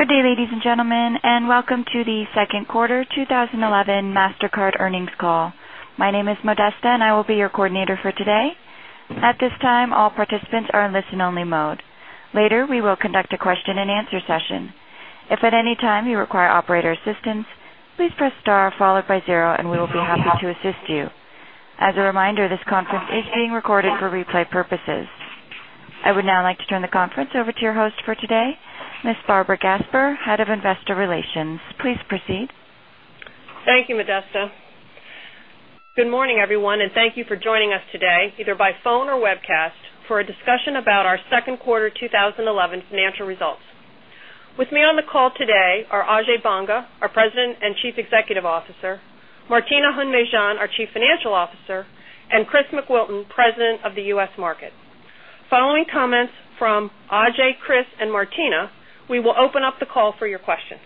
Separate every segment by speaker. Speaker 1: Good day, ladies and gentlemen, and welcome to The Second Quarter 2011 Mastercard Earnings Call. My name is Modesta, and I will be your coordinator for today. At this time, all participants are in listen-only mode. Later, we will conduct a question and answer session. If at any time you require operator assistance, please press star followed by zero, and we will be happy to assist you. As a reminder, this conference is being recorded for replay purposes. I would now like to turn the conference over to your host for today, Ms. Barbara Gasper, Head of Investor Relations. Please proceed.
Speaker 2: Thank you, Modesta. Good morning, everyone, and thank you for joining us today, either by phone or webcast, for a discussion about our second quarter 2011 financial results. With me on the call today are Ajay Banga, our President and Chief Executive Officer; Martina Hund-Mejean, our Chief Financial Officer; and Chris McWilton, President of the U.S. Market. Following comments from Ajay, Chris, and Martina, we will open up the call for your questions.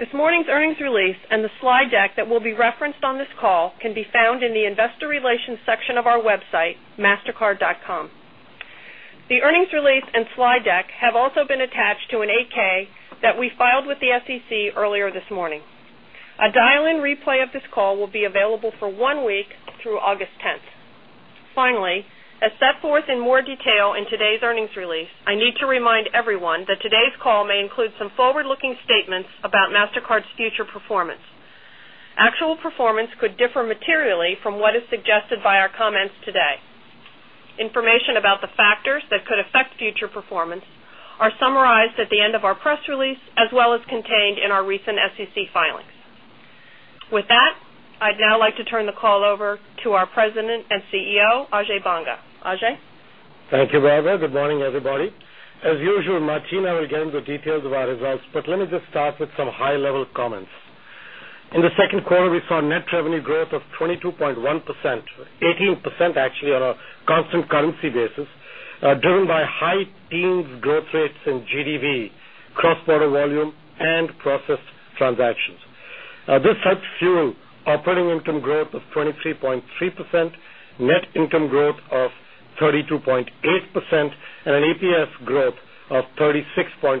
Speaker 2: This morning's earnings release and the slide deck that will be referenced on this call can be found in the investor relations section of our website, mastercard.com. The earnings release and slide deck have also been attached to an 8-K that we filed with the SEC earlier this morning. A dial-in replay of this call will be available for one week through August 10th. Finally, as set forth in more detail in today's earnings release, I need to remind everyone that today's call may include some forward-looking statements about Mastercard's future performance. Actual performance could differ materially from what is suggested by our comments today. Information about the factors that could affect future performance are summarized at the end of our press release, as well as contained in our recent SEC filings. With that, I'd now like to turn the call over to our President and CEO, Ajay Banga. Ajay?
Speaker 3: Thank you, Ravi. Good morning, everybody. As usual, Martina will get into the details of our results, but let me just start with some high-level comments. In the second quarter, we saw net revenue growth of 22.1%, 18% actually on a constant currency basis, driven by high teens growth rates in GDV, cross-border volume, and processed transactions. This helped fuel operating income growth of 23.3%, net income growth of 32.8%, and an EPS growth of 36.4%.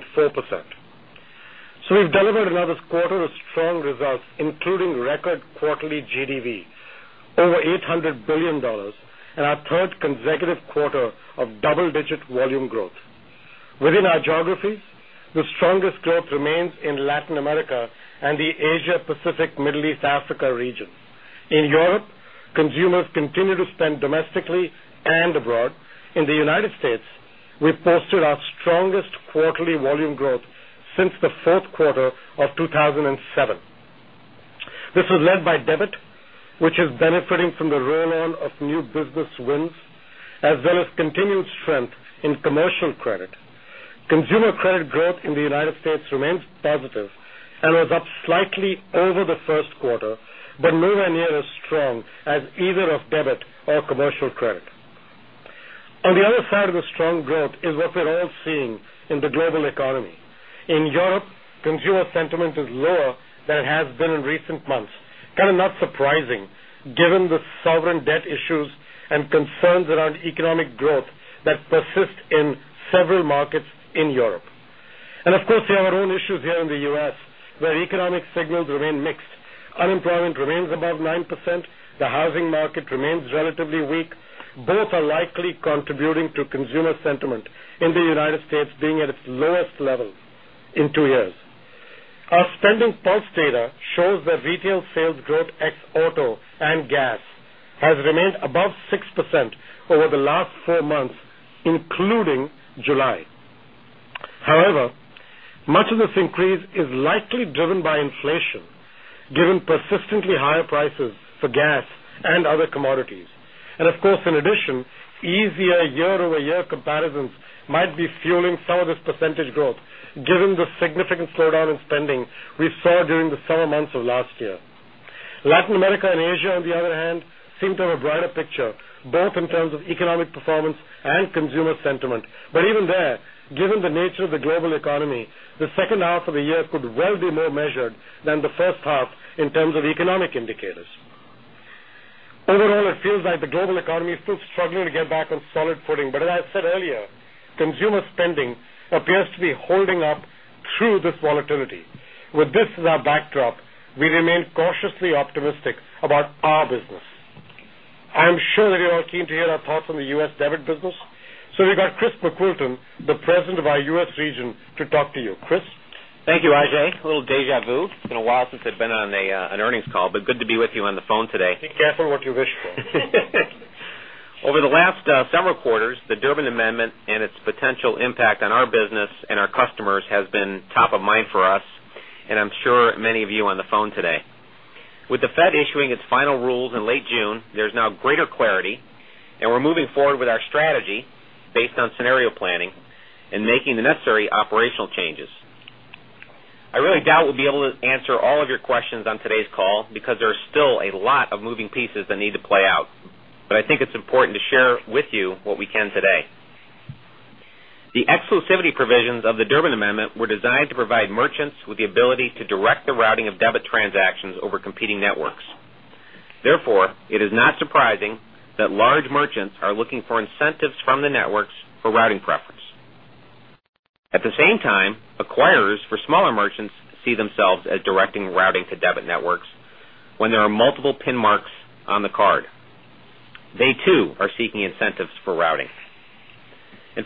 Speaker 3: We've delivered another quarter of strong results, including record quarterly GDV, over $800 billion, and our third consecutive quarter of double-digit volume growth. Within our geographies, the strongest growth remains in Latin America and the Asia-Pacific, Middle East, and Africa region. In Europe, consumers continue to spend domestically and abroad. In the U.S., we posted our strongest quarterly volume growth since the fourth quarter of 2007. This was led by debit, which is benefiting from the roll-on of new business wins, as well as continued strength in commercial credit. Consumer credit growth in the U.S. remains positive and was up slightly over the first quarter, but nowhere near as strong as either debit or commercial credit. On the other side of the strong growth is what we're all seeing in the global economy. In Europe, consumer sentiment is lower than it has been in recent months, kind of not surprising given the sovereign debt issues and concerns around economic growth that persist in several markets in Europe. Of course, we have our own issues here in the U.S., where economic signals remain mixed. Unemployment remains above 9%. The housing market remains relatively weak. Both are likely contributing to consumer sentiment, in the U.S. being at its lowest level in two years. Our SpendingPulse data shows that retail sales growth ex-auto and gas has remained above 6% over the last four months, including July. However, much of this increase is likely driven by inflation, given persistently higher prices for gas and other commodities. In addition, easier year-over-year comparisons might be fueling some of this percentage growth, given the significant slowdown in spending we saw during the summer months of last year. Latin America and Asia, on the other hand, seem to have a brighter picture, both in terms of economic performance and consumer sentiment. Even there, given the nature of the global economy, the second half of the year could well be more measured than the first half in terms of economic indicators. Overall, it feels like the global economy is still struggling to get back on solid footing. As I said earlier, consumer spending appears to be holding up through this volatility. With this as our backdrop, we remain cautiously optimistic about our business. I'm sure that you're all keen to hear our thoughts on the U.S. debit business. We've got Chris McWilton, the President of our U.S. region, to talk to you. Chris?
Speaker 4: Thank you, Ajay. A little déjà vu. It's been a while since I've been on an earnings call, but good to be with you on the phone today.
Speaker 3: Be careful what you wish for.
Speaker 4: Over the last several quarters, the Durbin Amendment and its potential impact on our business and our customers has been top of mind for us, and I'm sure many of you on the phone today. With the Fed issuing its final rules in late June, there's now greater clarity, and we're moving forward with our strategy based on scenario planning and making the necessary operational changes. I really doubt we'll be able to answer all of your questions on today's call because there are still a lot of moving pieces that need to play out. I think it's important to share with you what we can today. The exclusivity provisions of the Durbin Amendment were designed to provide merchants with the ability to direct the routing of debit transactions over competing networks. Therefore, it is not surprising that large merchants are looking for incentives from the networks for routing preference. At the same time, acquirers for smaller merchants see themselves as directing routing to debit networks when there are multiple PIN marks on the card. They too are seeking incentives for routing.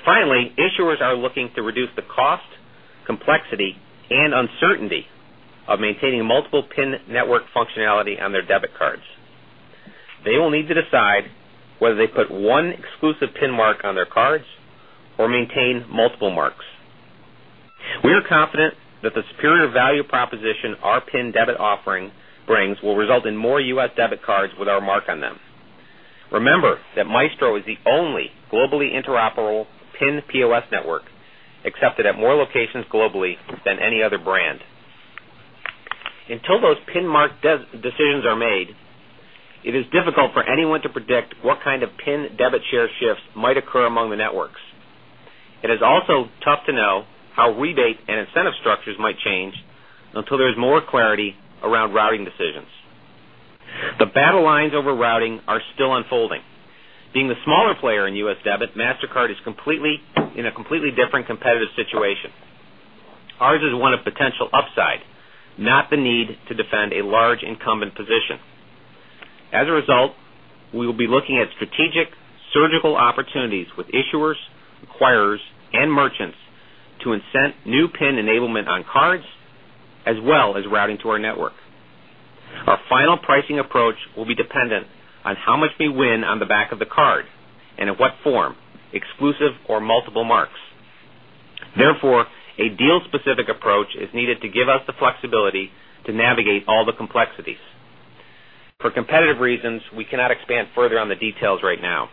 Speaker 4: Finally, issuers are looking to reduce the cost, complexity, and uncertainty of maintaining multiple-PIN network functionality on their debit cards. They will need to decide whether they put one exclusive PIN mark on their cards or maintain multiple marks. We are confident that the superior value proposition our PIN debit offering brings will result in more U.S. debit cards with our mark on them. Remember that Maestro is the only globally interoperable PIN POS network accepted at more locations globally than any other brand. Until those PIN mark decisions are made, it is difficult for anyone to predict what kind of PIN debit share shifts might occur among the networks. It is also tough to know how rebate and incentive structures might change until there's more clarity around routing decisions. The battle lines over routing are still unfolding. Being the smaller player in U.S. debit, Mastercard is in a completely different competitive situation. Ours is one of potential upside, not the need to defend a large incumbent position. As a result, we will be looking at strategic, surgical opportunities with issuers, acquirers, and merchants to incent new PIN enablement on cards, as well as routing to our network. Our final pricing approach will be dependent on how much we win on the back of the card and in what form, exclusive or multiple marks. Therefore, a deal-specific approach is needed to give us the flexibility to navigate all the complexities. For competitive reasons, we cannot expand further on the details right now.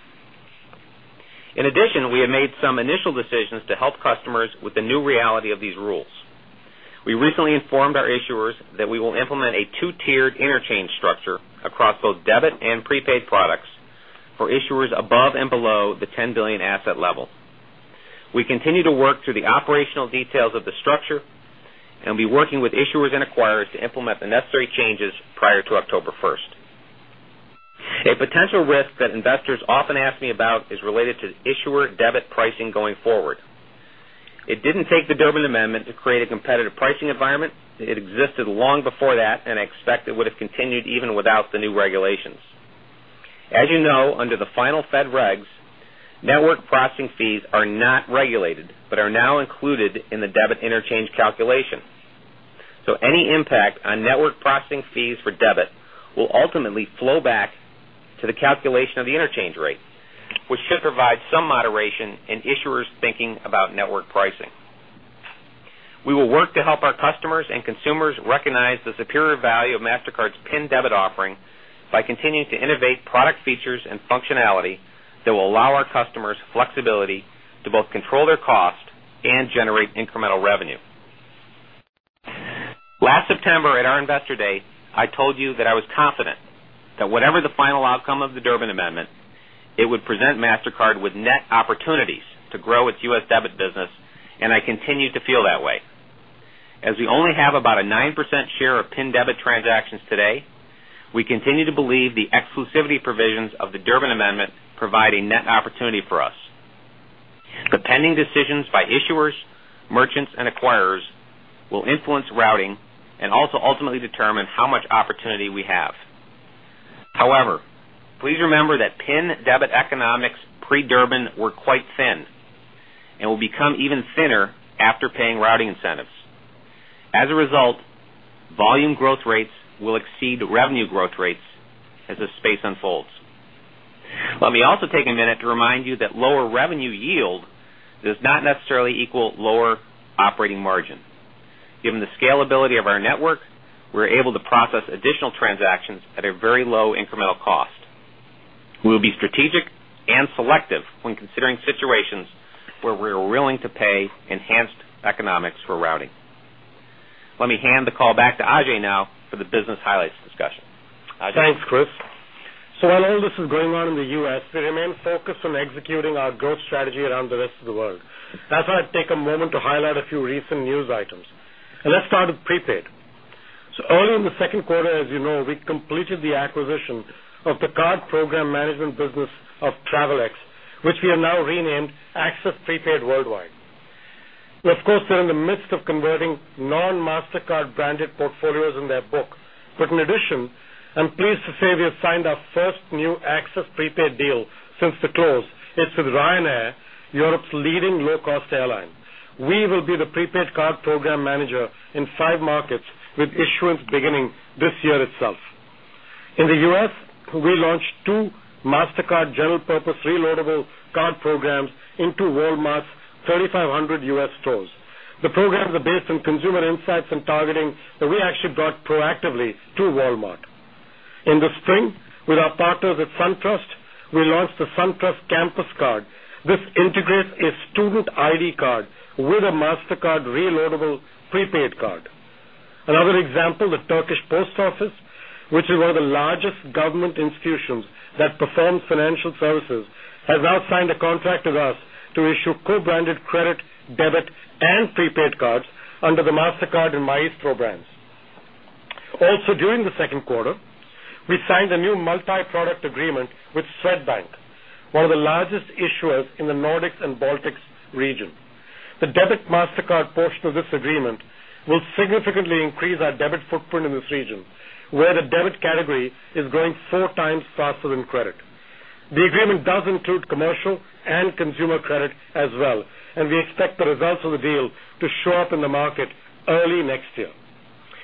Speaker 4: In addition, we have made some initial decisions to help customers with the new reality of these rules. We recently informed our issuers that we will implement a two-tiered interchange structure across both debit and prepaid products for issuers above and below the $10 billion asset level. We continue to work through the operational details of the structure and will be working with issuers and acquirers to implement the necessary changes prior to October 1. A potential risk that investors often ask me about is related to issuer debit pricing going forward. It didn't take the Durbin Amendment to create a competitive pricing environment. It existed long before that, and I expect it would have continued even without the new regulations. As you know, under the final Fed regs, network processing fees are not regulated but are now included in the debit interchange calculation. Any impact on network processing fees for debit will ultimately flow back to the calculation of the interchange rate, which should provide some moderation in issuers' thinking about network pricing. We will work to help our customers and consumers recognize the superior value of Mastercard's PIN debit offering by continuing to innovate product features and functionality that will allow our customers flexibility to both control their cost and generate incremental revenue. Last September, at our Investor Day, I told you that I was confident that whatever the final outcome of the Durbin Amendment, it would present Mastercard with net opportunities to grow its U.S. debit business, and I continue to feel that way. As we only have about a 9% share of PIN debit transactions today, we continue to believe the exclusivity provisions of the Durbin Amendment provide a net opportunity for us. The pending decisions by issuers, merchants, and acquirers will influence routing and also ultimately determine how much opportunity we have. However, please remember that PIN debit economics pre-Durbin were quite thin and will become even thinner after paying routing incentives. As a result, volume growth rates will exceed revenue growth rates as the space unfolds. Let me also take a minute to remind you that lower revenue yield does not necessarily equal lower operating margin. Given the scalability of our network, we're able to process additional transactions at a very low incremental cost. We'll be strategic and selective when considering situations where we're willing to pay enhanced economics for routing. Let me hand the call back to Ajay now for the business highlights discussion.
Speaker 3: Thanks, Chris. While all this is going on in the U.S., we remain focused on executing our growth strategy around the rest of the world. That's why I'd take a moment to highlight a few recent news items. Let's start with prepaid. Early in the second quarter, as you know, we completed the acquisition of the card program management business of Travelex, which we have now renamed Access Prepaid Worldwide. Of course, they're in the midst of converting non-Mastercard branded portfolios in their book. In addition, I'm pleased to say we have signed our first new Access Prepaid deal since the close. It's with Ryanair, Europe's leading low-cost airline. We will be the prepaid card program manager in five markets, with issuance beginning this year itself. In the U.S., we launched two Mastercard general-purpose reloadable card programs into Walmart's 3,500 U.S. stores. The programs are based on consumer insights and targeting, and we actually brought proactively to Walmart. In the spring, with our partners at SunTrust, we launched the SunTrust Campus Card. This integrates a student ID card with a Mastercard reloadable prepaid card. Another example, the Turkish Post Office, which is one of the largest government institutions that perform financial services, has now signed a contract with us to issue co-branded credit, debit, and prepaid cards under the Mastercard and Maestro brands. Also, during the second quarter, we signed a new multi-product agreement with Swedbank, one of the largest issuers in the Nordics and Baltics region. The debit Mastercard portion of this agreement will significantly increase our debit footprint in this region, where the debit category is growing four times faster than credit. The agreement does include commercial and consumer credit as well, and we expect the results of the deal to show up in the market early next year.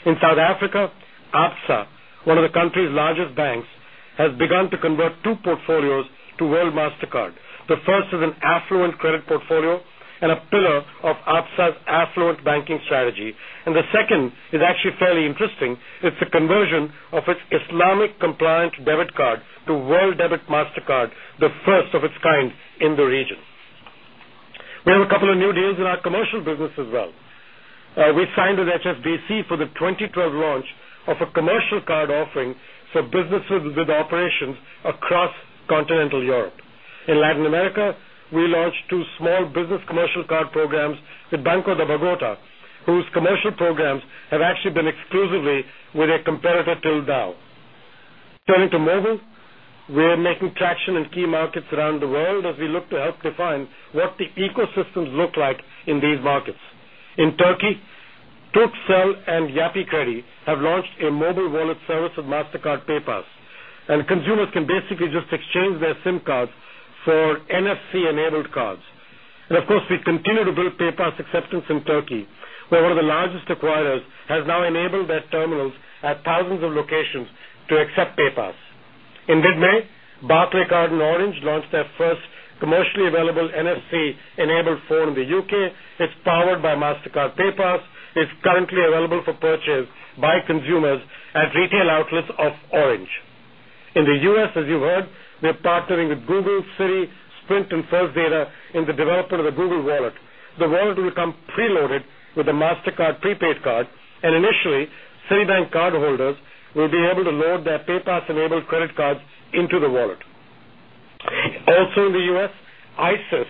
Speaker 3: In South Africa, Absa, one of the country's largest banks, has begun to convert two portfolios to World Mastercard. The first is an affluent credit portfolio and a pillar of Absa's affluent banking strategy. The second is actually fairly interesting. It's a conversion of its Islamic-compliant debit card to World Debit Mastercard, the first of its kind in the region. We have a couple of new deals in our commercial business as well. We signed with HSBC for the 2012 launch of a commercial card offering for businesses with operations across continental Europe. In Latin America, we launched two small business commercial card programs with Banco de Bogotá, whose commercial programs have actually been exclusively with a competitor till now. Turning to mobile, we are making traction in key markets around the world as we look to help define what the ecosystems look like in these markets. In Turkey, Turkcell and Yapı Kredi have launched a mobile wallet service with Mastercard PayPass, and consumers can basically just exchange their SIM cards for NFC-enabled cards. Of course, we continue to build PayPass acceptance in Turkey, where one of the largest acquirers has now enabled their terminals at thousands of locations to accept PayPass. In mid-May, Barclaycard and Orange launched their first commercially available NFC-enabled phone in the U.K. It's powered by Mastercard PayPass. It's currently available for purchase by consumers at retail outlets of Orange. In the U.S., as you heard, we are partnering with Google, Citi, Sprint, and First Data in the development of the Google Wallet. The wallet will become preloaded with a Mastercard prepaid card, and initially, Citibank cardholders will be able to load their PayPass-enabled credit cards into the wallet. Also in the U.S., ISIS,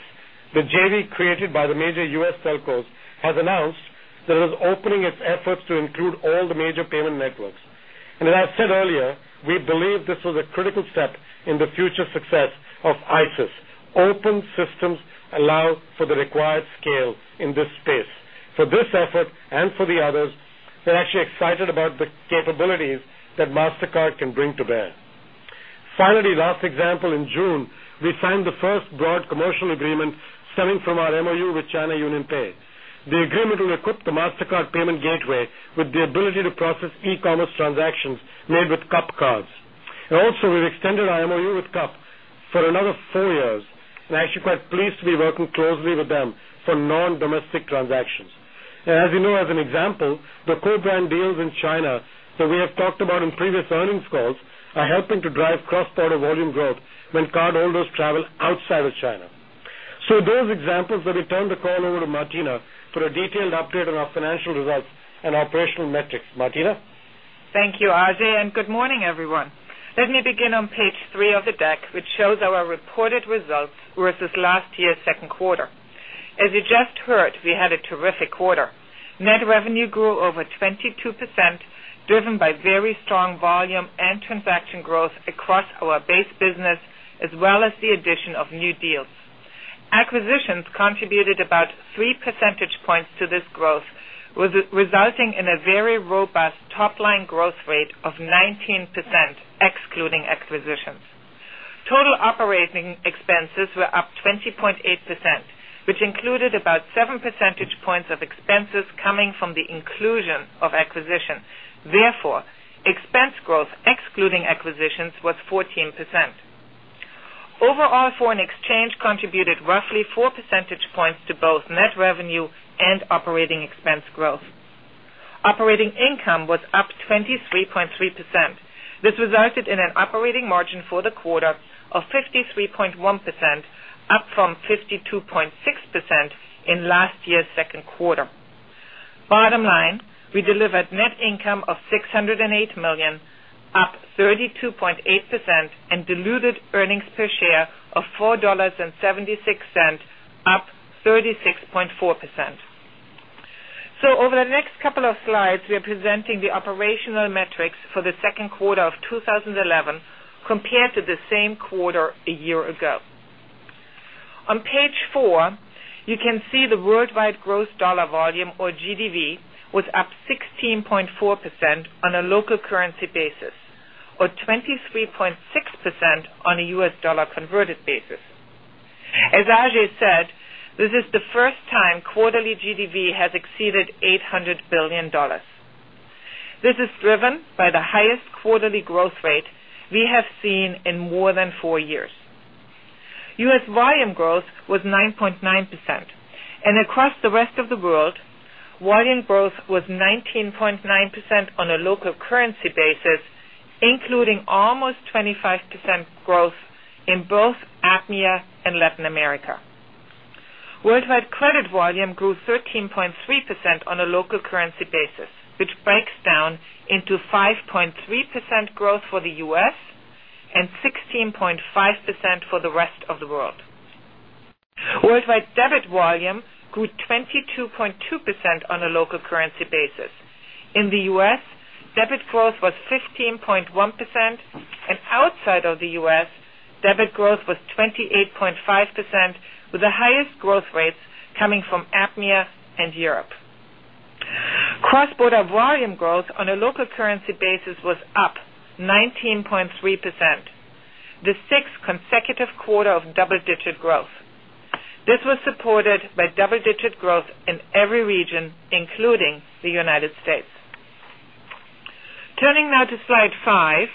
Speaker 3: the JV created by the major U.S. telcos, has announced that it is opening its efforts to include all the major payment networks. As I said earlier, we believe this was a critical step in the future success of ISIS. Open systems allow for the required scale in this space. For this effort and for the others, we're actually excited about the capabilities that Mastercard can bring to bear. Finally, last example, in June, we signed the first broad commercial agreement stemming from our MOU with China UnionPay. The agreement will equip the Mastercard payment gateway with the ability to process e-commerce transactions made with CUP cards. Also, we've extended our MOU with CUP for another four years, and I'm actually quite pleased to be working closely with them for non-domestic transactions. As you know, as an example, the co-brand deals in China that we have talked about in previous earnings calls are helping to drive cross-border volume growth when cardholders travel outside of China. With those examples, let me turn the call over to Martina for a detailed update on our financial results and operational metrics. Martina?
Speaker 5: Thank you, Ajay, and good morning, everyone. Let me begin on page three of the deck, which shows our reported results versus last year's second quarter. As you just heard, we had a terrific quarter. Net revenue grew over 22%, driven by very strong volume and transaction growth across our base business, as well as the addition of new deals. Acquisitions contributed about three percentage points to this growth, resulting in a very robust top-line growth rate of 19%, excluding acquisitions. Total operating expenses were up 20.8%, which included about seven percentage points of expenses coming from the inclusion of acquisitions. Therefore, expense growth, excluding acquisitions, was 14%. Overall, foreign exchange contributed roughly four percentage points to both net revenue and operating expense growth. Operating income was up 23.3%. This resulted in an operating margin for the quarter of 53.1%, up from 52.6% in last year's second quarter. Bottom line, we delivered net income of $608 million, up 32.8%, and diluted earnings per share of $4.76, up 36.4%. Over the next couple of slides, we are presenting the operational metrics for the second quarter of 2011 compared to the same quarter a year ago. On page four, you can see the worldwide gross dollar volume, or GDV, was up 16.4% on a local currency basis, or 23.6% on a U.S. dollar converted basis. As Ajay said, this is the first time quarterly GDV has exceeded $800 billion. This is driven by the highest quarterly growth rate we have seen in more than four years. U.S. volume growth was 9.9%. Across the rest of the world, volume growth was 19.9% on a local currency basis, including almost 25% growth in both APMEA and Latin America. Worldwide credit volume grew 13.3% on a local currency basis, which breaks down into 5.3% growth for the U.S. and 16.5% for the rest of the world. Worldwide debit volume grew 22.2% on a local currency basis. In the U.S., debit growth was 15.1%, and outside of the U.S., debit growth was 28.5%, with the highest growth rates coming from APMEA and Europe. Cross-border volume growth on a local currency basis was up 19.3%, the sixth consecutive quarter of double-digit growth. This was supported by double-digit growth in every region, including the United States. Turning now to slide five,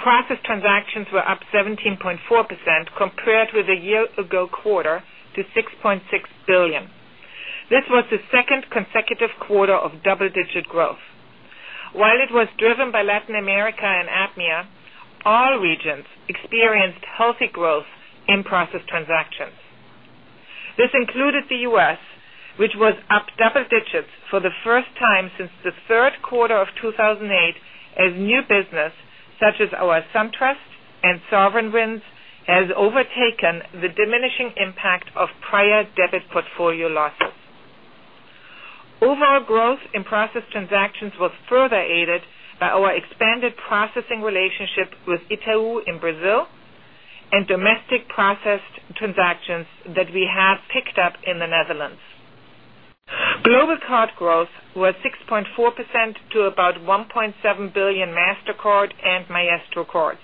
Speaker 5: processed transactions were up 17.4% compared with a year ago quarter to $6.6 billion. This was the second consecutive quarter of double-digit growth. While it was driven by Latin America and APMEA, all regions experienced healthy growth in processed transactions. This included the U.S., which was up double digits for the first time since the third quarter of 2008, as new business, such as our SunTrust and Sovereign wins, has overtaken the diminishing impact of prior debit portfolio losses. Overall growth in processed transactions was further aided by our expanded processing relationship with Itaú in Brazil and domestic processed transactions that we have picked up in the Netherlands. Global card growth was 6.4% to about 1.7 billion Mastercard and Maestro cards.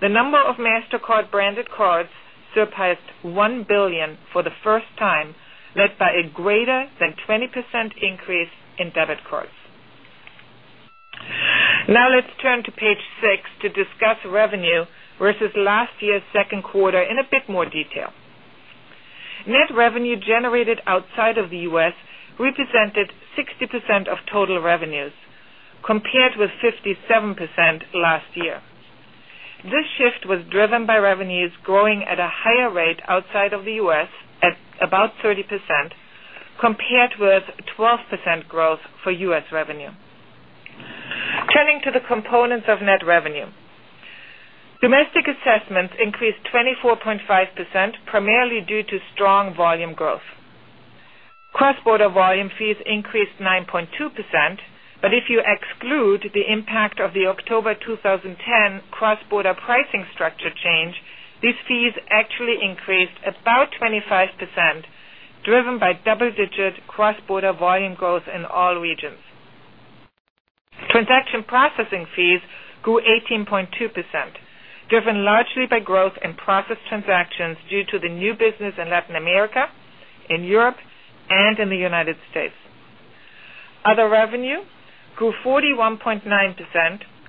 Speaker 5: The number of Mastercard branded cards surpassed one billion for the first time, led by a greater than 20% increase in debit cards. Now let's turn to page six to discuss revenue versus last year's second quarter in a bit more detail. Net revenue generated outside of the U.S. represented 60% of total revenues, compared with 57% last year. This shift was driven by revenues growing at a higher rate outside of the U.S., at about 30%, compared with 12% growth for U.S. revenue. Turning to the components of net revenue, domestic assessments increased 24.5%, primarily due to strong volume growth. Cross-border volume fees increased 9.2%. If you exclude the impact of the October 2010 cross-border pricing structure change, these fees actually increased about 25%, driven by double-digit cross-border volume growth in all regions. Transaction processing fees grew 18.2%, driven largely by growth in processed transactions due to the new business in Latin America, in Europe, and in the United States. Other revenue grew 41.9%,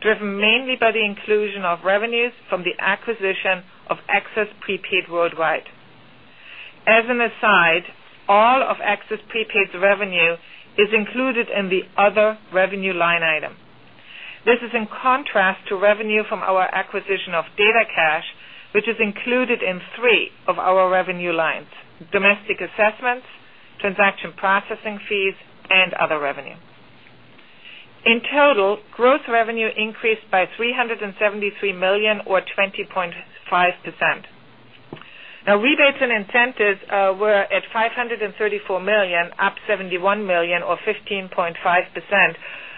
Speaker 5: driven mainly by the inclusion of revenues from the acquisition of Access Prepaid Worldwide. As an aside, all of Access Prepaid Worldwide's revenue is included in the Other Revenue line item. This is in contrast to revenue from our acquisition of DataCash, which is included in three of our revenue lines: domestic assessments, transaction processing fees, and other revenue. In total, gross revenue increased by $373 million, or 20.5%. Rebates and incentives were at $534 million, up $71 million, or 15.5%.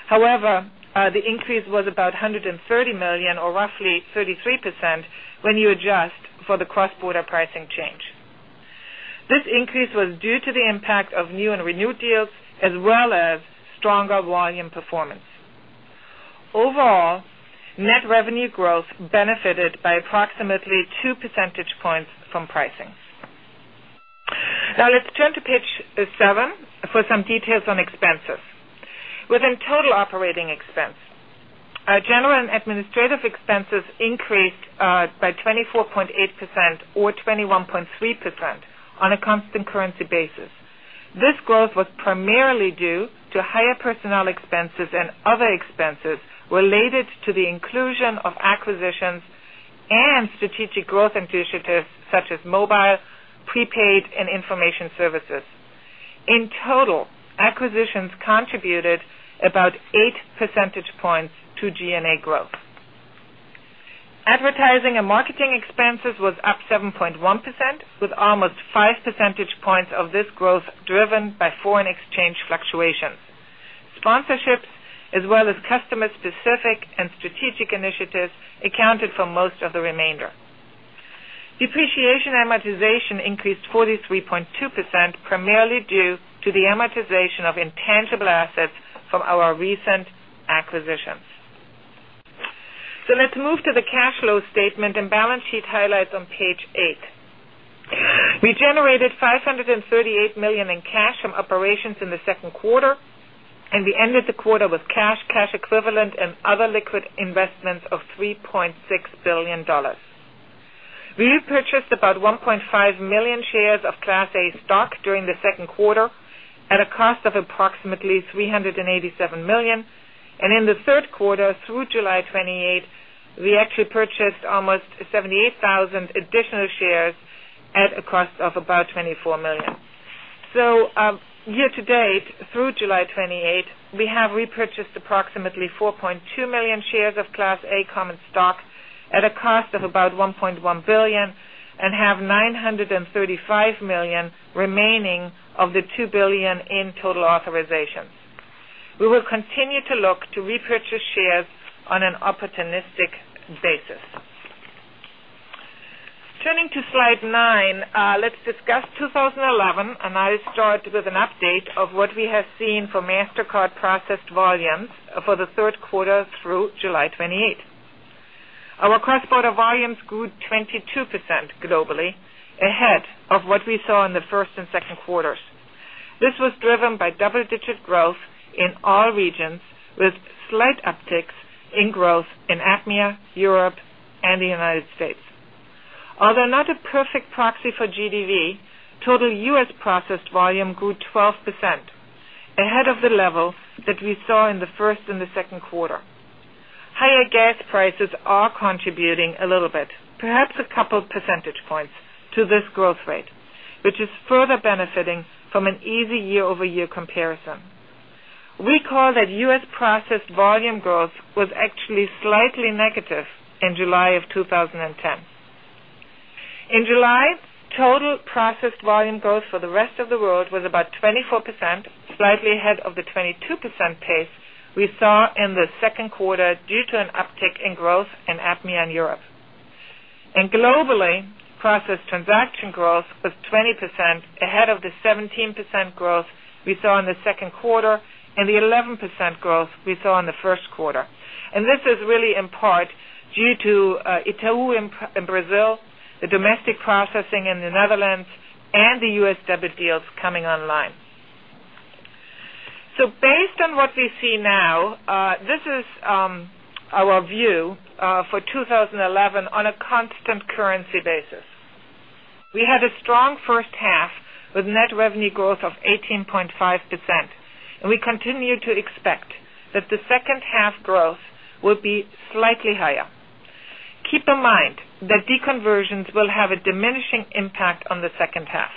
Speaker 5: However, the increase was about $130 million, or roughly 33%, when you adjust for the cross-border pricing change. This increase was due to the impact of new and renewed deals, as well as stronger volume performance. Overall, net revenue growth benefited by approximately two percentage points from pricings. Now let's turn to page seven for some details on expenses. Within total operating expense, general and administrative expenses increased by 24.8% or 21.3% on a constant currency basis. This growth was primarily due to higher personnel expenses and other expenses related to the inclusion of acquisitions and strategic growth initiatives such as mobile, prepaid, and information services. In total, acquisitions contributed about eight percentage points to G&A growth. Advertising and marketing expenses were up 7.1%, with almost five percentage points of this growth driven by foreign exchange fluctuations. Sponsorships, as well as customer-specific and strategic initiatives, accounted for most of the remainder. Depreciation amortization increased 43.2%, primarily due to the amortization of intangible assets from our recent acquisitions. Let's move to the cash flow statement and balance sheet highlights on page eight. We generated $538 million in cash from operations in the second quarter, and we ended the quarter with cash, cash equivalent, and other liquid investments of $3.6 billion. We purchased about 1.5 million shares of Class A stock during the second quarter at a cost of approximately $387 million. In the third quarter, through July 28, we actually purchased almost 78,000 additional shares at a cost of about $24 million. Year to date, through July 28, we have repurchased approximately 4.2 million shares of Class A common stock at a cost of about $1.1 billion and have $935 million remaining of the $2 billion in total authorizations. We will continue to look to repurchase shares on an opportunistic basis. Turning to slide nine, let's discuss 2011, and I'll start with an update of what we have seen for Mastercard processed volumes for the third quarter through July 28. Our cross-border volumes grew 22% globally, ahead of what we saw in the first and second quarters. This was driven by double-digit growth in all regions, with slight upticks in growth in APMEA, Europe, and the United States. Although not a perfect proxy for GDV, total U.S. processed volume grew 12%, ahead of the level that we saw in the first and the second quarter. Higher gas prices are contributing a little bit, perhaps a couple percentage points, to this growth rate, which is further benefiting from an easy year-over-year comparison. Recall that U.S. processed volume growth was actually slightly negative in July of 2010. In July, total processed volume growth for the rest of the world was about 24%, slightly ahead of the 22% pace we saw in the second quarter due to an uptick in growth in APMEA and Europe. Globally, processed transaction growth was 20%, ahead of the 17% growth we saw in the second quarter and the 11% growth we saw in the first quarter. This is really in part due to Itaú in Brazil, the domestic processing in the Netherlands, and the U.S. debit deals coming online. Based on what we see now, this is our view for 2011 on a constant currency basis. We had a strong first half with net revenue growth of 18.5%, and we continue to expect that the second half growth will be slightly higher. Keep in mind that deconversions will have a diminishing impact on the second half.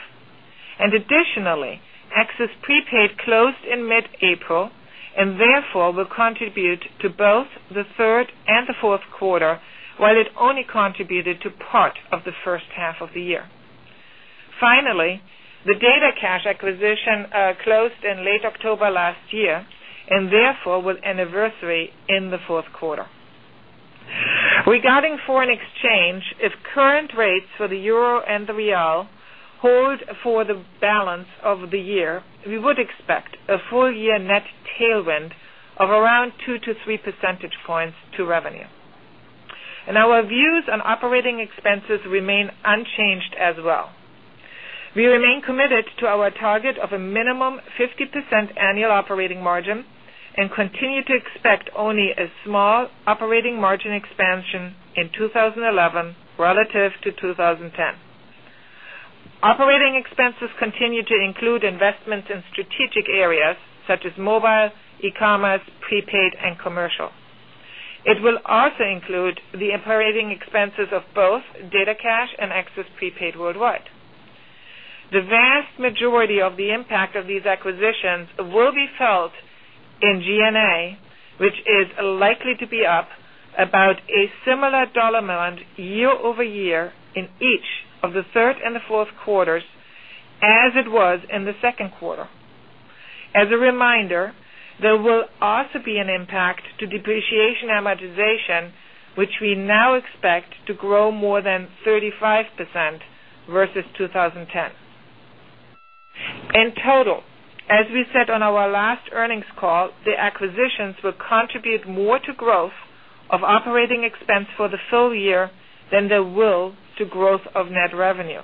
Speaker 5: Additionally, Access Prepaid Worldwide closed in mid-April and therefore will contribute to both the third and the fourth quarter, while it only contributed to part of the first half of the year. Finally, the DataCash acquisition closed in late October last year and therefore will anniversary in the fourth quarter. Regarding foreign exchange, if current rates for the euro and the real hold for the balance of the year, we would expect a full-year net tailwind of around 2% - 3% to revenue. Our views on operating expenses remain unchanged as well. We remain committed to our target of a minimum 50% annual operating margin and continue to expect only a small operating margin expansion in 2011 relative to 2010. Operating expenses continue to include investments in strategic areas such as mobile, e-commerce, prepaid, and commercial. It will also include the operating expenses of both DataCash and Access Prepaid Worldwide. The vast majority of the impact of these acquisitions will be felt in G&A, which is likely to be up about a similar dollar amount year over year in each of the third and the fourth quarters, as it was in the second quarter. As a reminder, there will also be an impact to depreciation amortization, which we now expect to grow more than 35% versus 2010. In total, as we said on our last earnings call, the acquisitions will contribute more to growth of operating expense for the full year than they will to growth of net revenue.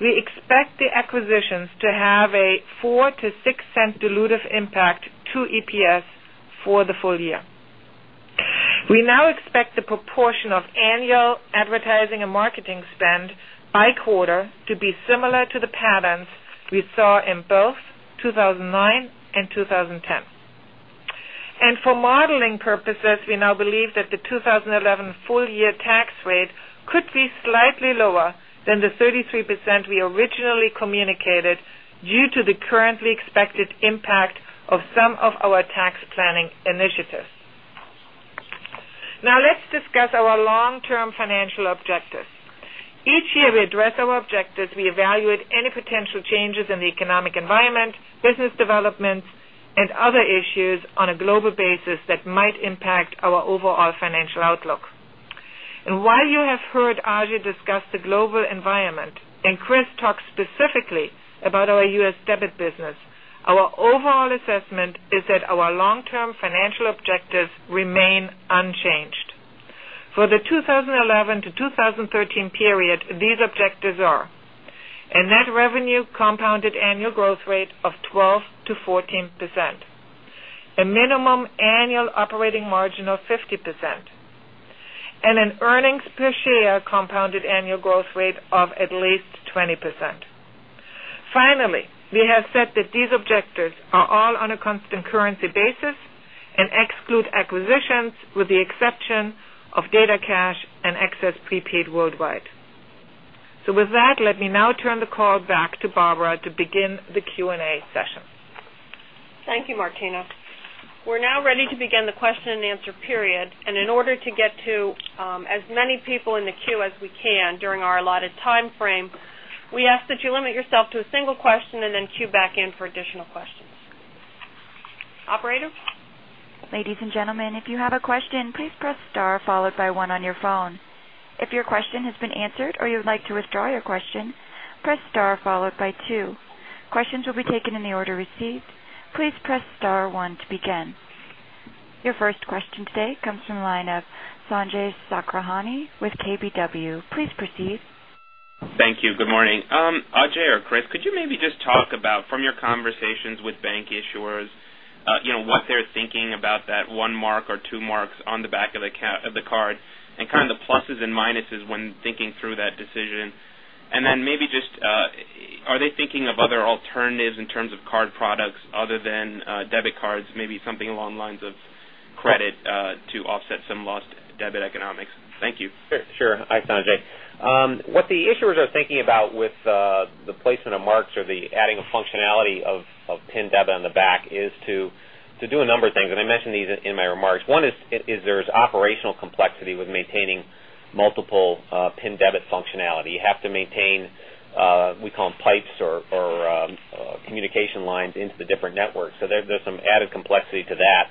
Speaker 5: We expect the acquisitions to have a $0.04 - $0.06 dilutive impact to EPS for the full year. We now expect the proportion of annual advertising and marketing spend by quarter to be similar to the patterns we saw in both 2009 and 2010. For modeling purposes, we now believe that the 2011 full-year tax rate could be slightly lower than the 33% we originally communicated due to the currently expected impact of some of our tax planning initiatives. Now let's discuss our long-term financial objectives. Each year, we address our objectives, we evaluate any potential changes in the economic environment, business development, and other issues on a global basis that might impact our overall financial outlook. While you have heard Ajay Banga discuss the global environment and Chris McWilton talk specifically about our U.S. debit business, our overall assessment is that our long-term financial objectives remain unchanged. For the 2011 to 2013 period, these objectives are: a net revenue compounded annual growth rate of 12% - 14%, a minimum annual operating margin of 50%, and an earnings per share compounded annual growth rate of at least 20%. Finally, we have said that these objectives are all on a constant currency basis and exclude acquisitions, with the exception of DataCash and Access Prepaid Worldwide. Let me now turn the call back to Barbara Gasper to begin the Q&A session.
Speaker 2: Thank you, Martina. We're now ready to begin the question and answer period. In order to get to as many people in the queue as we can during our allotted timeframe, we ask that you limit yourself to a single question and then queue back in for additional questions. Operator?
Speaker 1: Ladies and gentlemen, if you have a question, please press star followed by one on your phone. If your question has been answered or you would like to withdraw your question, press star followed by two. Questions will be taken in the order received. Please press star one to begin. Your first question today comes from the line of Sanjay Sakhrani with KBW. Please proceed.
Speaker 6: Thank you. Good morning. Ajay or Chris, could you maybe just talk about, from your conversations with bank issuers, what they're thinking about that one mark or two marks on the back of the card and the pluses and minuses when thinking through that decision? Are they thinking of other alternatives in terms of card products other than debit cards, maybe something along the lines of credit to offset some lost debit economics? Thank you.
Speaker 4: Sure. Hi, Sanjay. What the issuers are thinking about with the placement of marks or the adding of functionality of PIN debit on the back is to do a number of things. I mentioned these in my remarks. One is there is operational complexity with maintaining multiple PIN debit functionality. You have to maintain, we call them pipes or communication lines into the different networks. There is some added complexity to that.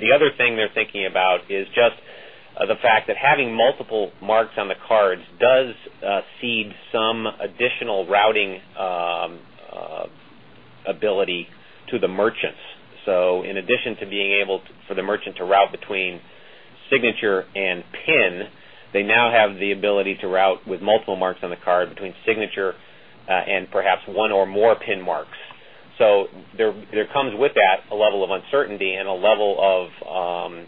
Speaker 4: The other thing they're thinking about is just the fact that having multiple marks on the cards does seed some additional routing ability to the merchants. In addition to being able for the merchant to route between signature and PIN, they now have the ability to route with multiple marks on the card between signature and perhaps one or more PIN marks. There comes with that a level of uncertainty and a level of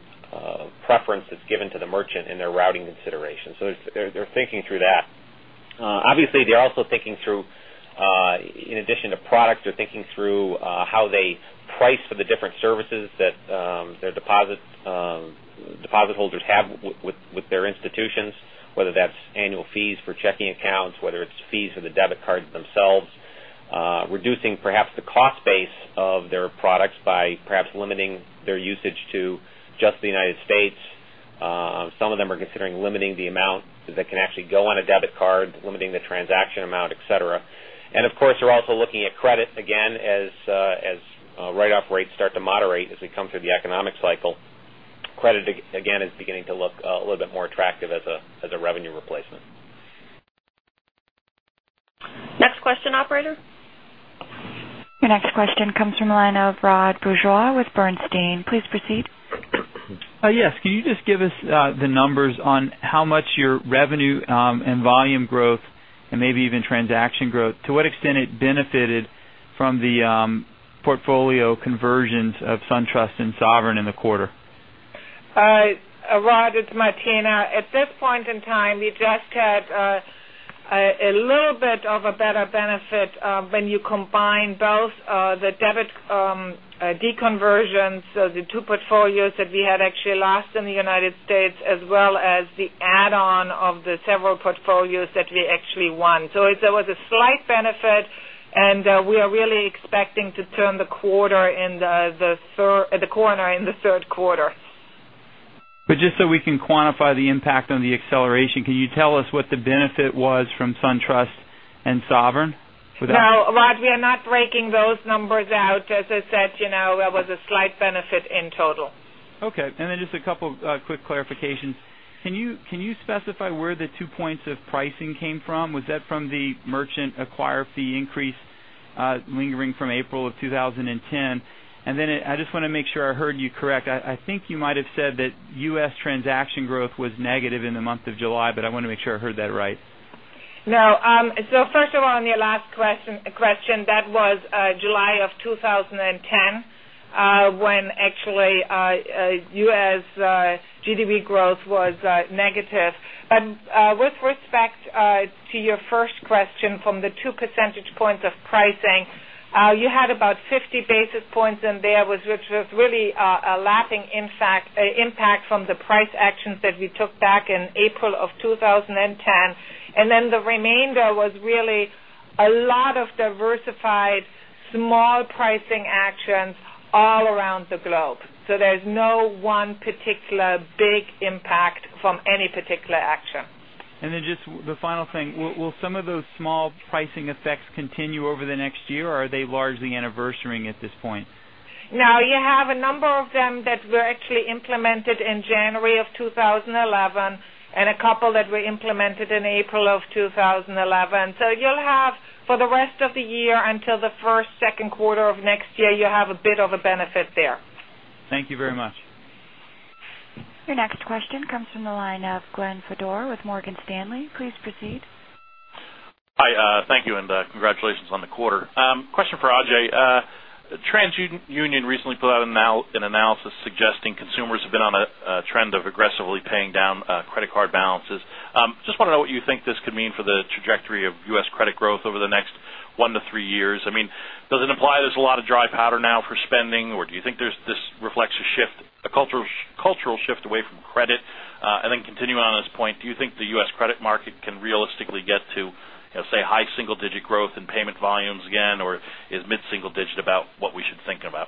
Speaker 4: preference that's given to the merchant in their routing considerations. They're thinking through that. Obviously, they're also thinking through, in addition to products, how they price for the different services that their deposit holders have with their institutions, whether that's annual fees for checking accounts, whether it's fees for the debit card themselves, reducing perhaps the cost base of their products by perhaps limiting their usage to just the U.S. Some of them are considering limiting the amount that can actually go on a debit card, limiting the transaction amount, etc. Of course, they're also looking at credit again as write-off rates start to moderate as we come through the economic cycle. Credit, again, is beginning to look a little bit more attractive as a revenue replacement.
Speaker 5: Next question, operator?
Speaker 1: Your next question comes from the line of Rod Bourgeois with Bernstein. Please proceed.
Speaker 7: Yes. Can you just give us the numbers on how much your revenue and volume growth, and maybe even transaction growth, to what extent it benefited from the portfolio conversions of SunTrust and Sovereign in the quarter?
Speaker 5: At this point in time, you just had a little bit of a better benefit when you combine both the debit deconversions, the two portfolios that we had actually lost in the U.S., as well as the add-on of the several portfolios that we actually won. There was a slight benefit, and we are really expecting to turn the corner in the third quarter.
Speaker 7: Just so we can quantify the impact on the acceleration, can you tell us what the benefit was from SunTrust and Sovereign?
Speaker 5: No, Rod, we are not breaking those numbers out. As I said, you know there was a slight benefit in total.
Speaker 7: Okay. Just a couple of quick clarifications. Can you specify where the two points of pricing came from? Was that from the merchant acquirer fee increase lingering from April 2010? I just want to make sure I heard you correct. I think you might have said that U.S. transaction growth was negative in the month of July, but I want to make sure I heard that right.
Speaker 5: No. First of all, on your last question, that was July of 2010 when actually U.S. GDV growth was negative. With respect to your first question, from the 2 percentage points of pricing, you had about 50 basis points in there, which was really a lapping impact from the price actions that we took back in April of 2010. The remainder was really a lot of diversified small pricing actions all around the globe. There is no one particular big impact from any particular action.
Speaker 7: Will some of those small pricing effects continue over the next year, or are they largely anniversary at this point?
Speaker 5: No, you have a number of them that were actually implemented in January of 2011, and a couple that were implemented in April of 2011. You'll have, for the rest of the year until the first or second quarter of next year, a bit of a benefit there.
Speaker 7: Thank you very much.
Speaker 1: Your next question comes from the line of Glenn Fodor with Morgan Stanley. Please proceed.
Speaker 8: Hi. Thank you, and congratulations on the quarter. Question for Ajay. TransUnion recently put out an analysis suggesting consumers have been on a trend of aggressively paying down credit card balances. Just want to know what you think this could mean for the trajectory of U.S. credit growth over the next one to three years. I mean, does it imply there's a lot of dry powder now for spending, or do you think this reflects a cultural shift away from credit? Continuing on this point, do you think the U.S. credit market can realistically get to, say, high single-digit growth in payment volumes again, or is mid-single-digit about what we should be thinking about?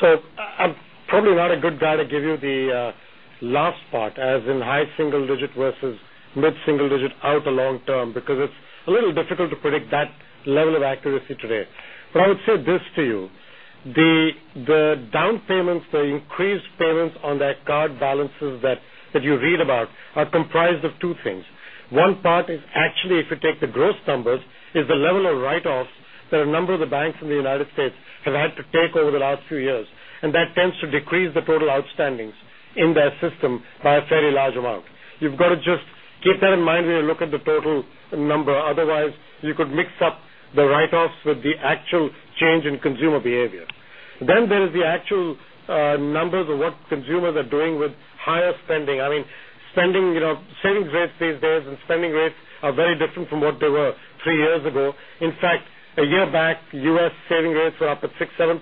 Speaker 3: I'm probably not a good guy to give you the last part, as in high single-digit versus mid-single-digit out the long term, because it's a little difficult to predict that level of accuracy today. I would say this to you. The down payments, the increased payments on the card balances that you read about, are comprised of two things. One part is actually, if you take the growth numbers, is the level of write-offs that a number of the banks in the U.S. have had to take over the last few years. That tends to decrease the total outstandings in their system by a fairly large amount. You've got to just keep that in mind when you look at the total number. Otherwise, you could mix up the write-offs with the actual change in consumer behavior. There is the actual numbers of what consumers are doing with higher spending. I mean, savings rates these days and spending rates are very different from what they were three years ago. In fact, a year back, U.S. savings rates were up at 6%, 7%.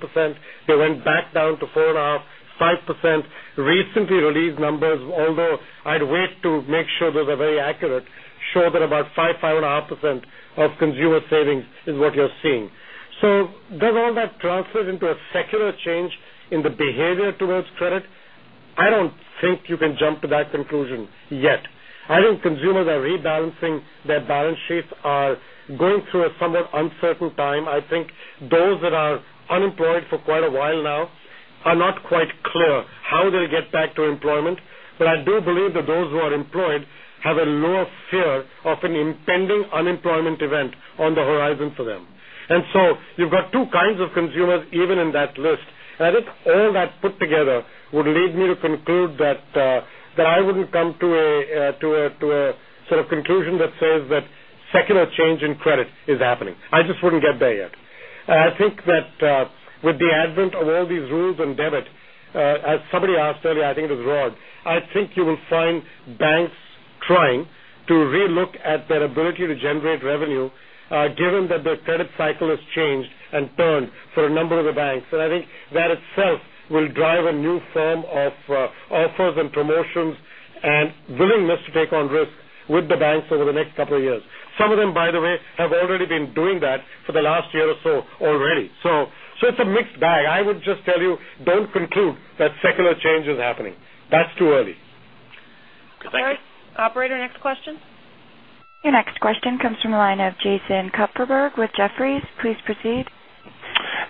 Speaker 3: They went back down to 4.5%, 5%. Recently released numbers, although I'd wait to make sure those are very accurate, show that about 5%, 5.5% of consumer savings is what you're seeing. Does all that translate into a secular change in the behavior towards credit? I don't think you can jump to that conclusion yet. I think consumers are rebalancing their balance sheets, are going through a somewhat uncertain time. I think those that are unemployed for quite a while now are not quite clear how they'll get back to employment. I do believe that those who are employed have a lower fear of an impending unemployment event on the horizon for them. You've got two kinds of consumers even in that list. I think all that put together would lead me to conclude that I wouldn't come to a sort of conclusion that says that secular change in credit is happening. I just wouldn't get there yet. I think that with the advent of all these rules in debit, as somebody asked earlier, I think it was Rod, I think you will find banks trying to relook at their ability to generate revenue, given that the credit cycle has changed and turned for a number of the banks. I think that itself will drive a new form of offers and promotions and willingness to take on risk with the banks over the next couple of years. Some of them, by the way, have already been doing that for the last year or so already. It's a mixed bag. I would just tell you, don't conclude that secular change is happening. That's too early.
Speaker 8: Thank you.
Speaker 5: All right. Operator, next question?
Speaker 1: Your next question comes from the line of Jason Kupferberg with Jefferies. Please proceed.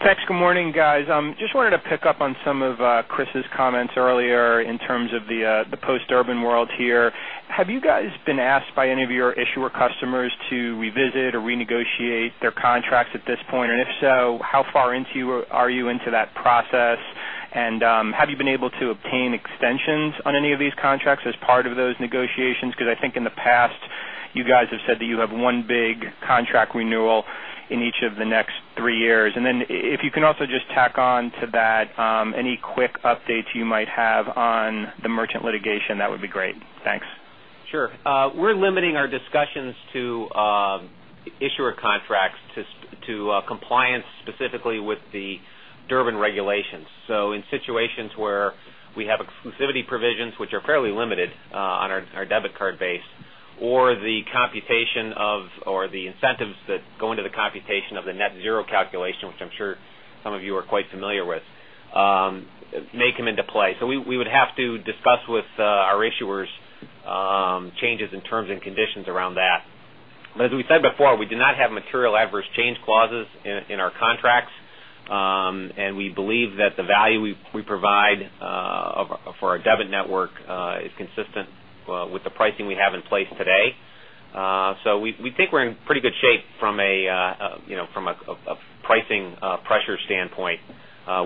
Speaker 9: Thanks. Good morning, guys. I just wanted to pick up on some of Chris's comments earlier in terms of the post-Durbin world here. Have you guys been asked by any of your issuer customers to revisit or renegotiate their contracts at this point? If so, how far into are you into that process? Have you been able to obtain extensions on any of these contracts as part of those negotiations? I think in the past, you guys have said that you have one big contract renewal in each of the next three years. If you can also just tack on to that any quick updates you might have on the merchant litigation, that would be great. Thanks.
Speaker 4: Sure. We're limiting our discussions to issuer contracts to compliance specifically with the Durbin regulations. In situations where we have exclusivity provisions, which are fairly limited on our debit card base, or the computation of or the incentives that go into the computation of the net zero calculation, which I'm sure some of you are quite familiar with, may come into play. We would have to discuss with our issuers changes in terms and conditions around that. As we said before, we do not have material adverse change clauses in our contracts. We believe that the value we provide for our debit network is consistent with the pricing we have in place today. We think we're in pretty good shape from a pricing pressure standpoint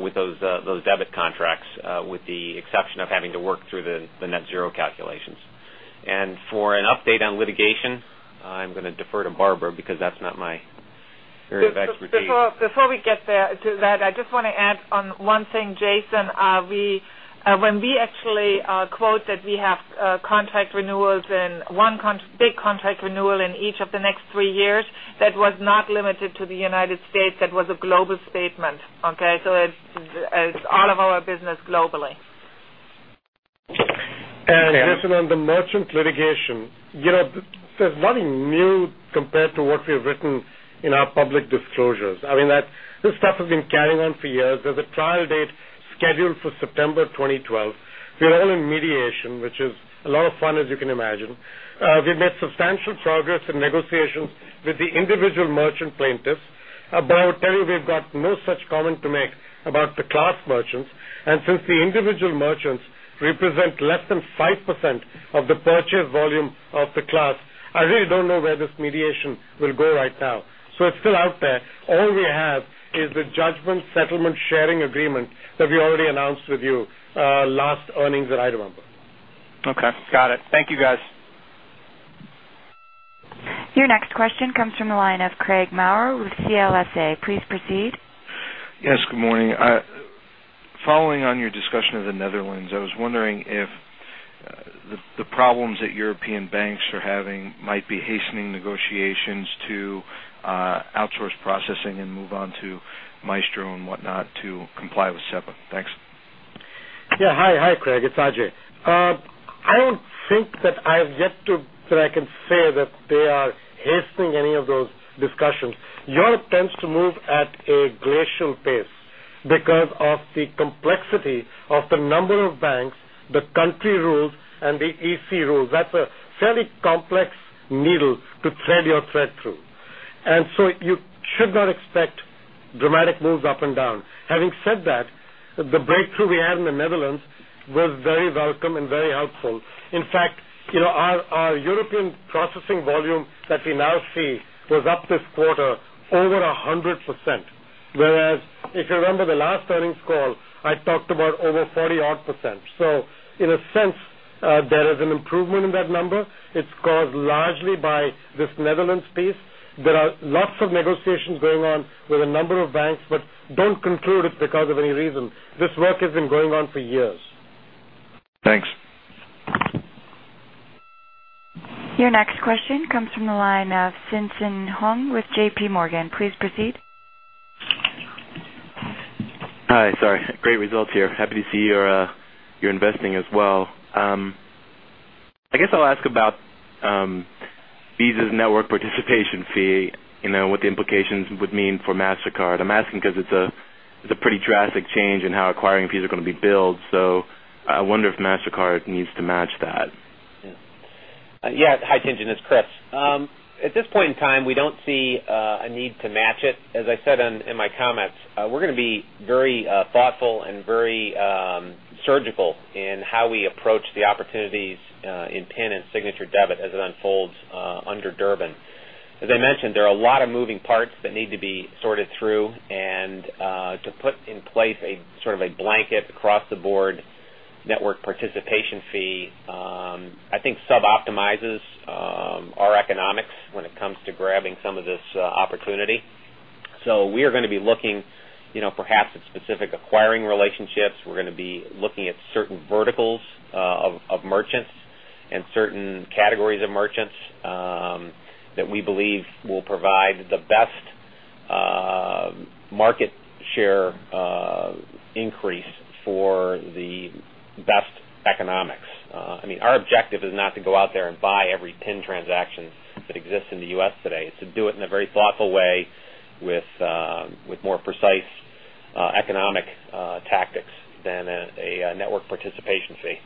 Speaker 4: with those debit contracts, with the exception of having to work through the net zero calculations. For an update on litigation, I'm going to defer to Barbara because that's not my area of expertise.
Speaker 5: Before we get to that, I just want to add on one thing, Jason. When we actually quote that we have contract renewals and one big contract renewal in each of the next three years, that was not limited to the U.S. That was a global statement. Okay? It is all of our business globally.
Speaker 3: As for the merchant litigation, you know there's nothing new compared to what we have written in our public disclosures. I mean, this stuff has been carrying on for years. There is a trial date scheduled for September 2012. We are all in mediation, which is a lot of fun, as you can imagine. We have made substantial progress in negotiations with the individual merchant plaintiffs. I would tell you we've got no such comment to make about the class merchants. Since the individual merchants represent less than 5% of the purchase volume of the class, I really don't know where this mediation will go right now. It is still out there. All we have is the judgment settlement sharing agreement that we already announced with you last earnings that I remember.
Speaker 9: Okay. Got it. Thank you, guys.
Speaker 1: Your next question comes from the line of Craig Maurer with CLSA. Please proceed.
Speaker 10: Yes, good morning. Following on your discussion of the Netherlands, I was wondering if the problems that European banks are having might be hastening negotiations to outsource processing and move on to Maestro and whatnot to comply with SEPA. Thanks.
Speaker 3: Yeah. Hi. Hi, Craig. It's Ajay. I don't think that I have yet to that I can say that they are hastening any of those discussions. Europe tends to move at a glacial pace because of the complexity of the number of banks, the country rules, and the EC rules. That's a fairly complex needle to thread through. You should not expect dramatic moves up and down. Having said that, the breakthrough we had in the Netherlands was very welcome and very helpful. In fact, you know our European processing volume that we now see was up this quarter over 100%. Whereas if you remember the last earnings call, I talked about over 40% odd. In a sense, there is an improvement in that number. It's caused largely by this Netherlands piece. There are lots of negotiations going on with a number of banks, but don't conclude it because of any reason. This work has been going on for years.
Speaker 10: Thanks.
Speaker 1: Your next question comes from the line of Tien-Tsin Huang with JPMorgan. Please proceed.
Speaker 11: Hi. Great results here. Happy to see your investing as well. I guess I'll ask about Visa's network participation fee, you know what the implications would mean for Mastercard. I'm asking because it's a pretty drastic change in how acquiring fees are going to be billed. I wonder if Mastercard needs to match that.
Speaker 4: Yeah. Hi, Tien-Tsin. It's Chris. At this point in time, we don't see a need to match it. As I said in my comments, we're going to be very thoughtful and very surgical in how we approach the opportunities in PIN and signature debit as it unfolds under Durbin. As I mentioned, there are a lot of moving parts that need to be sorted through. To put in place a sort of blanket across-the-board network participation fee, I think suboptimizes our economics when it comes to grabbing some of this opportunity. We are going to be looking perhaps at specific acquiring relationships. We're going to be looking at certain verticals of merchants and certain categories of merchants that we believe will provide the best market share increase for the best economics. Our objective is not to go out there and buy every PIN transaction that exists in the U.S. today. It's to do it in a very thoughtful way with more precise economic tactics than a network participation fee.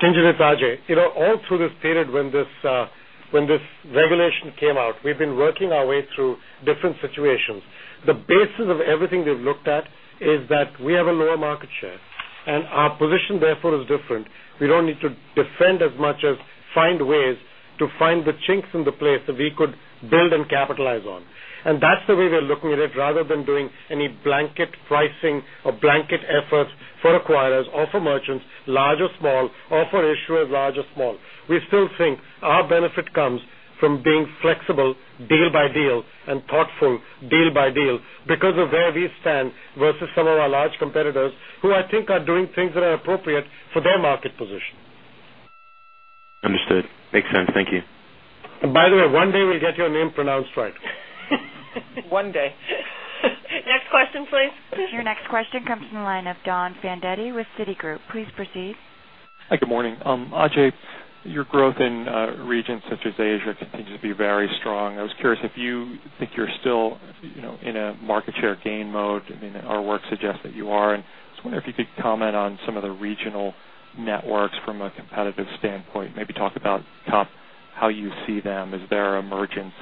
Speaker 3: Tintin, it's Ajay. All true as stated when this regulation came out. We've been working our way through different situations. The basis of everything we've looked at is that we have a lower market share, and our position therefore is different. We don't need to defend as much as find ways to find the chinks in the place that we could build and capitalize on. That's the way we're looking at it, rather than doing any blanket pricing or blanket efforts for acquirers, offer merchants, large or small, offer issuers, large or small. We still think our benefit comes from being flexible, deal by deal, and thoughtful, deal by deal because of where we stand versus some of our large competitors who I think are doing things that are appropriate for their market position.
Speaker 11: Understood. Makes sense. Thank you.
Speaker 3: By the way, one day we'll get your name pronounced right.
Speaker 5: One day. Next question, please.
Speaker 1: Your next question comes from the line of Don Fandetti with Citigroup. Please proceed.
Speaker 12: Hi. Good morning. Ajay, your growth in regions such as Asia continues to be very strong. I was curious if you think you're still in a market share gain mode, and our work suggests that you are. I was wondering if you could comment on some of the regional networks from a competitive standpoint, maybe talk about how you see them. Is their emergence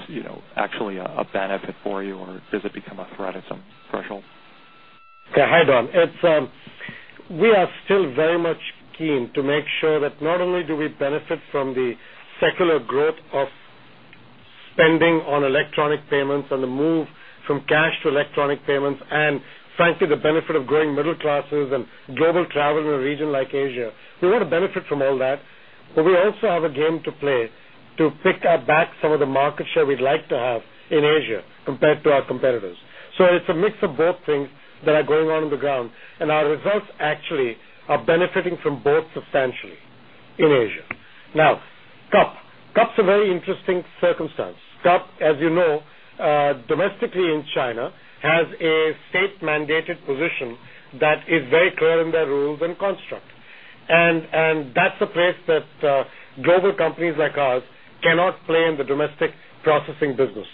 Speaker 12: actually a benefit for you, or does it become a threat at some threshold?
Speaker 3: Yeah. Hi, Don. We are still very much keen to make sure that not only do we benefit from the secular growth of spending on electronic payments and the move from cash to electronic payments, and frankly, the benefit of growing middle classes and global travel in a region like Asia, we want to benefit from all that. We also have a game to play to pick back some of the market share we'd like to have in Asia compared to our competitors. It is a mix of both things that are going on in the ground, and our results actually are benefiting from both substantially in Asia. Now, CUP. CUP is a very interesting circumstance. CUP, as you know, domestically in China, has a state-mandated position that is very clear in their rules and construct. That is a place that global companies like ours cannot play in the domestic processing business.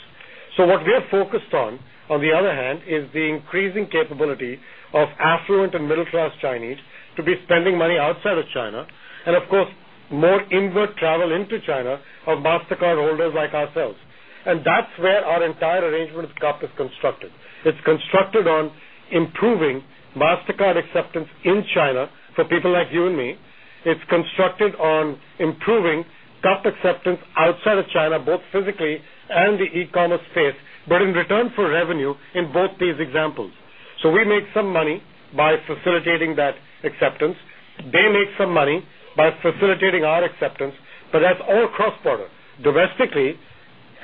Speaker 3: What we are focused on, on the other hand, is the increasing capability of affluent and middle-class Chinese to be spending money outside of China and, of course, more inward travel into China of Mastercard holders like ourselves. That is where our entire arrangement with CUP is constructed. It is constructed on improving Mastercard acceptance in China for people like you and me. It is constructed on improving CUP acceptance outside of China, both physically and in the e-commerce space, but in return for revenue in both these examples. We make some money by facilitating that acceptance. They make some money by facilitating our acceptance. That is all cross-border. Domestically,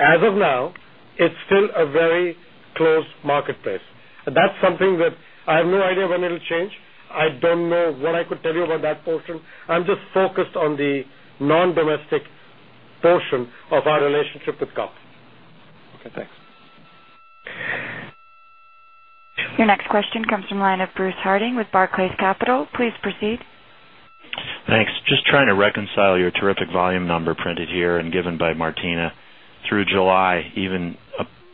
Speaker 3: as of now, it is still a very closed marketplace. That is something that I have no idea when it'll change. I don't know what I could tell you about that portion. I'm just focused on the non-domestic portion of our relationship with CUP.
Speaker 12: Okay. Thanks.
Speaker 1: Your next question comes from the line of Bruce Harting with Barclays Capital. Please proceed.
Speaker 13: Thanks. Just trying to reconcile your terrific volume number printed here and given by Martina through July, even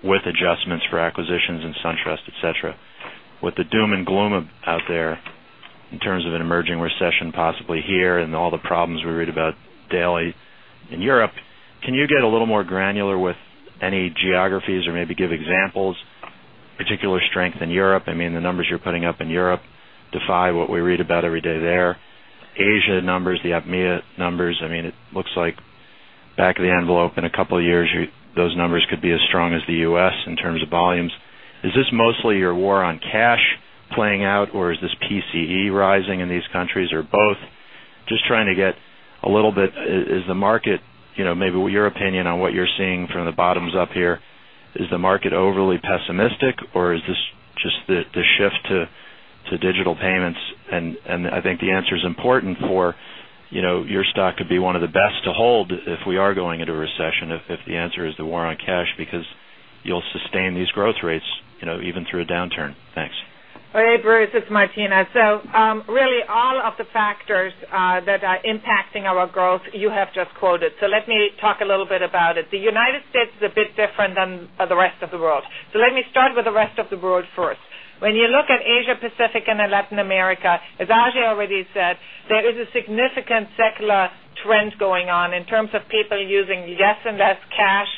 Speaker 13: with adjustments for acquisitions in SunTrust, etc. With the doom and gloom out there in terms of an emerging recession, possibly here, and all the problems we read about daily in Europe, can you get a little more granular with any geographies or maybe give examples? Particular strength in Europe. I mean, the numbers you're putting up in Europe defy what we read about every day there. Asia numbers, the APMEA numbers. I mean, it looks like back of the envelope in a couple of years, those numbers could be as strong as the U.S. in terms of volumes. Is this mostly your war on cash playing out, or is this PCE rising in these countries or both? Just trying to get a little bit, is the market, you know, maybe your opinion on what you're seeing from the bottoms up here, is the market overly pessimistic, or is this just the shift to digital payments? I think the answer is important for, you know, your stock could be one of the best to hold if we are going into a recession, if the answer is the war on cash, because you'll sustain these growth rates, you know, even through a downturn. Thanks.
Speaker 5: All right, Bruce, it's Martina. Really, all of the factors that are impacting our growth, you have just quoted. Let me talk a little bit about it. The United States is a bit different than the rest of the world. Let me start with the rest of the world first. When you look at Asia-Pacific and Latin America, as Ajay already said, there is a significant secular trend going on in terms of people using less and less cash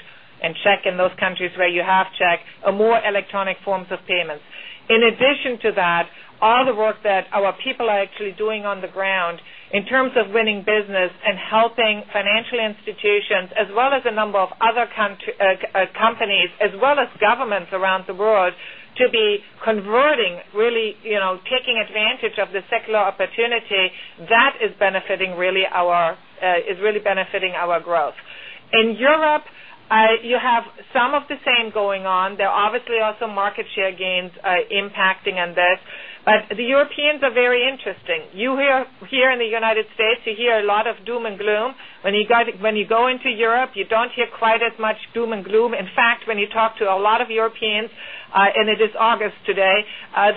Speaker 5: and check in those countries where you have check or more electronic forms of payments. In addition to that, all the work that our people are actually doing on the ground in terms of winning business and helping financial institutions, as well as a number of other companies, as well as governments around the world, to be converting, really taking advantage of the secular opportunity that is benefiting really our growth. In Europe, you have some of the same going on. There are obviously also market share gains impacting on this. The Europeans are very interesting. You hear here in the United States, you hear a lot of doom and gloom. When you go into Europe, you don't hear quite as much doom and gloom. In fact, when you talk to a lot of Europeans, and it is August today,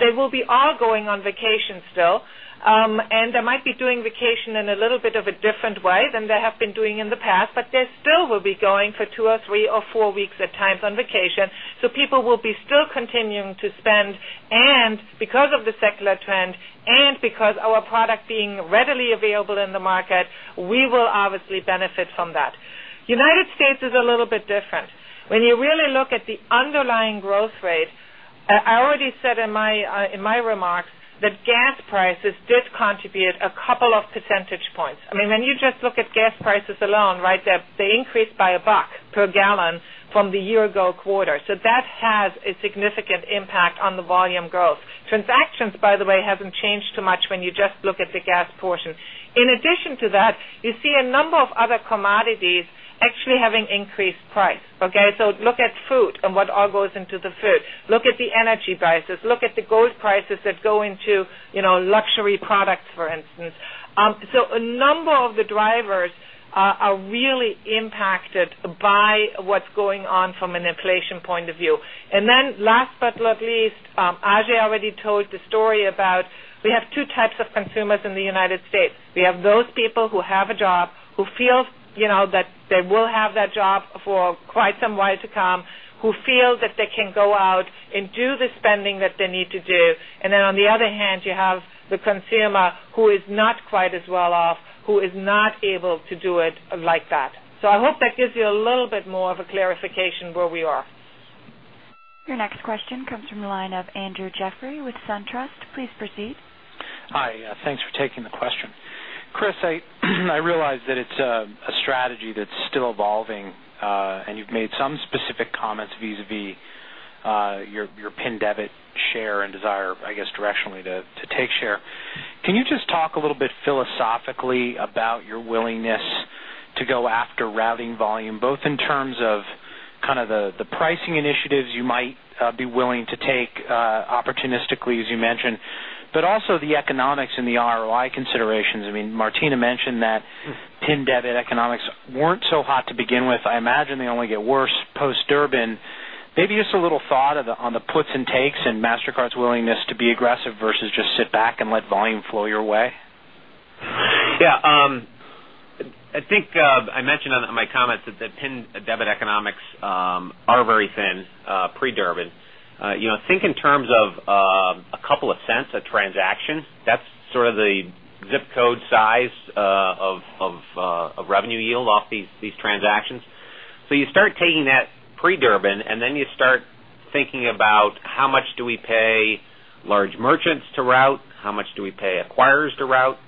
Speaker 5: they will be all going on vacation still. They might be doing vacation in a little bit of a different way than they have been doing in the past, but they still will be going for two or three or four weeks at times on vacation. People will be still continuing to spend. Because of the secular trend and because of our product being readily available in the market, we will obviously benefit from that. The United States is a little bit different. When you really look at the underlying growth rate, I already said in my remark that gas prices did contribute a couple of percentage points. I mean, when you just look at gas prices alone, they increased by $1 per gallon from the year-ago quarter. That has a significant impact on the volume growth. Transactions, by the way, haven't changed too much when you just look at the gas portion. In addition to that, you see a number of other commodities actually having increased price. Look at food and what all goes into the food. Look at the energy prices. Look at the gold prices that go into luxury products, for instance. A number of the drivers are really impacted by what's going on from an inflation point of view. Last but not least, Ajay already told the story about we have two types of consumers in the U.S. We have those people who have a job, who feel, you know, that they will have that job for quite some while to come, who feel that they can go out and do the spending that they need to do. On the other hand, you have the consumer who is not quite as well off, who is not able to do it like that. I hope that gives you a little bit more of a clarification where we are.
Speaker 1: Your next question comes from the line of Andrew Jeffrey with SunTrust. Please proceed.
Speaker 14: Hi. Thanks for taking the question. Chris, I realize that it's a strategy that's still evolving, and you've made some specific comments vis-à-vis your PIN debit share and desire, I guess, directionally to take share. Can you just talk a little bit philosophically about your willingness to go after routing volume, both in terms of kind of the pricing initiatives you might be willing to take opportunistically, as you mentioned, but also the economics and the ROI considerations? I mean, Martina mentioned that PIN debit economics weren't so hot to begin with. I imagine they only get worse post-Durbin. Maybe just a little thought on the puts and takes and Mastercard's willingness to be aggressive versus just sit back and let volume flow your way?
Speaker 4: Yeah. I think I mentioned in my comments that PIN debit economics are very thin, pre-Durbin. You know, think in terms of a couple of cents a transaction. That's sort of the zip code size of revenue yield off these transactions. You start taking that pre-Durbin, and then you start thinking about how much do we pay large merchants to route, how much do we pay acquirers to route,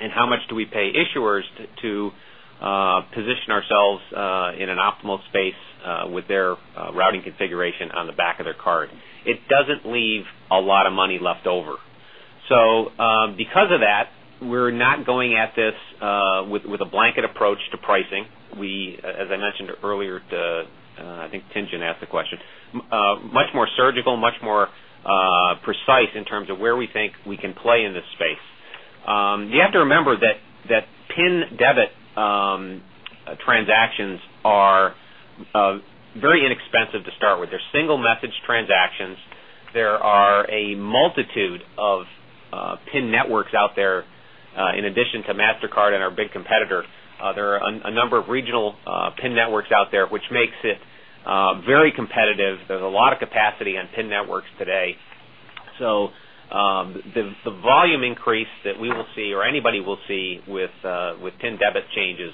Speaker 4: and how much do we pay issuers to position ourselves in an optimal space with their routing configuration on the back of their card. It doesn't leave a lot of money left over. Because of that, we're not going at this with a blanket approach to pricing. We, as I mentioned earlier, I think Tien-Tsin asked the question, much more surgical, much more precise in terms of where we think we can play in this space. You have to remember that PIN debit transactions are very inexpensive to start with. They're single-message transactions. There are a multitude of PIN networks out there. In addition to Mastercard and our big competitor, there are a number of regional PIN networks out there, which makes it very competitive. There's a lot of capacity on PIN networks today. The volume increase that we will see or anybody will see with PIN debit changes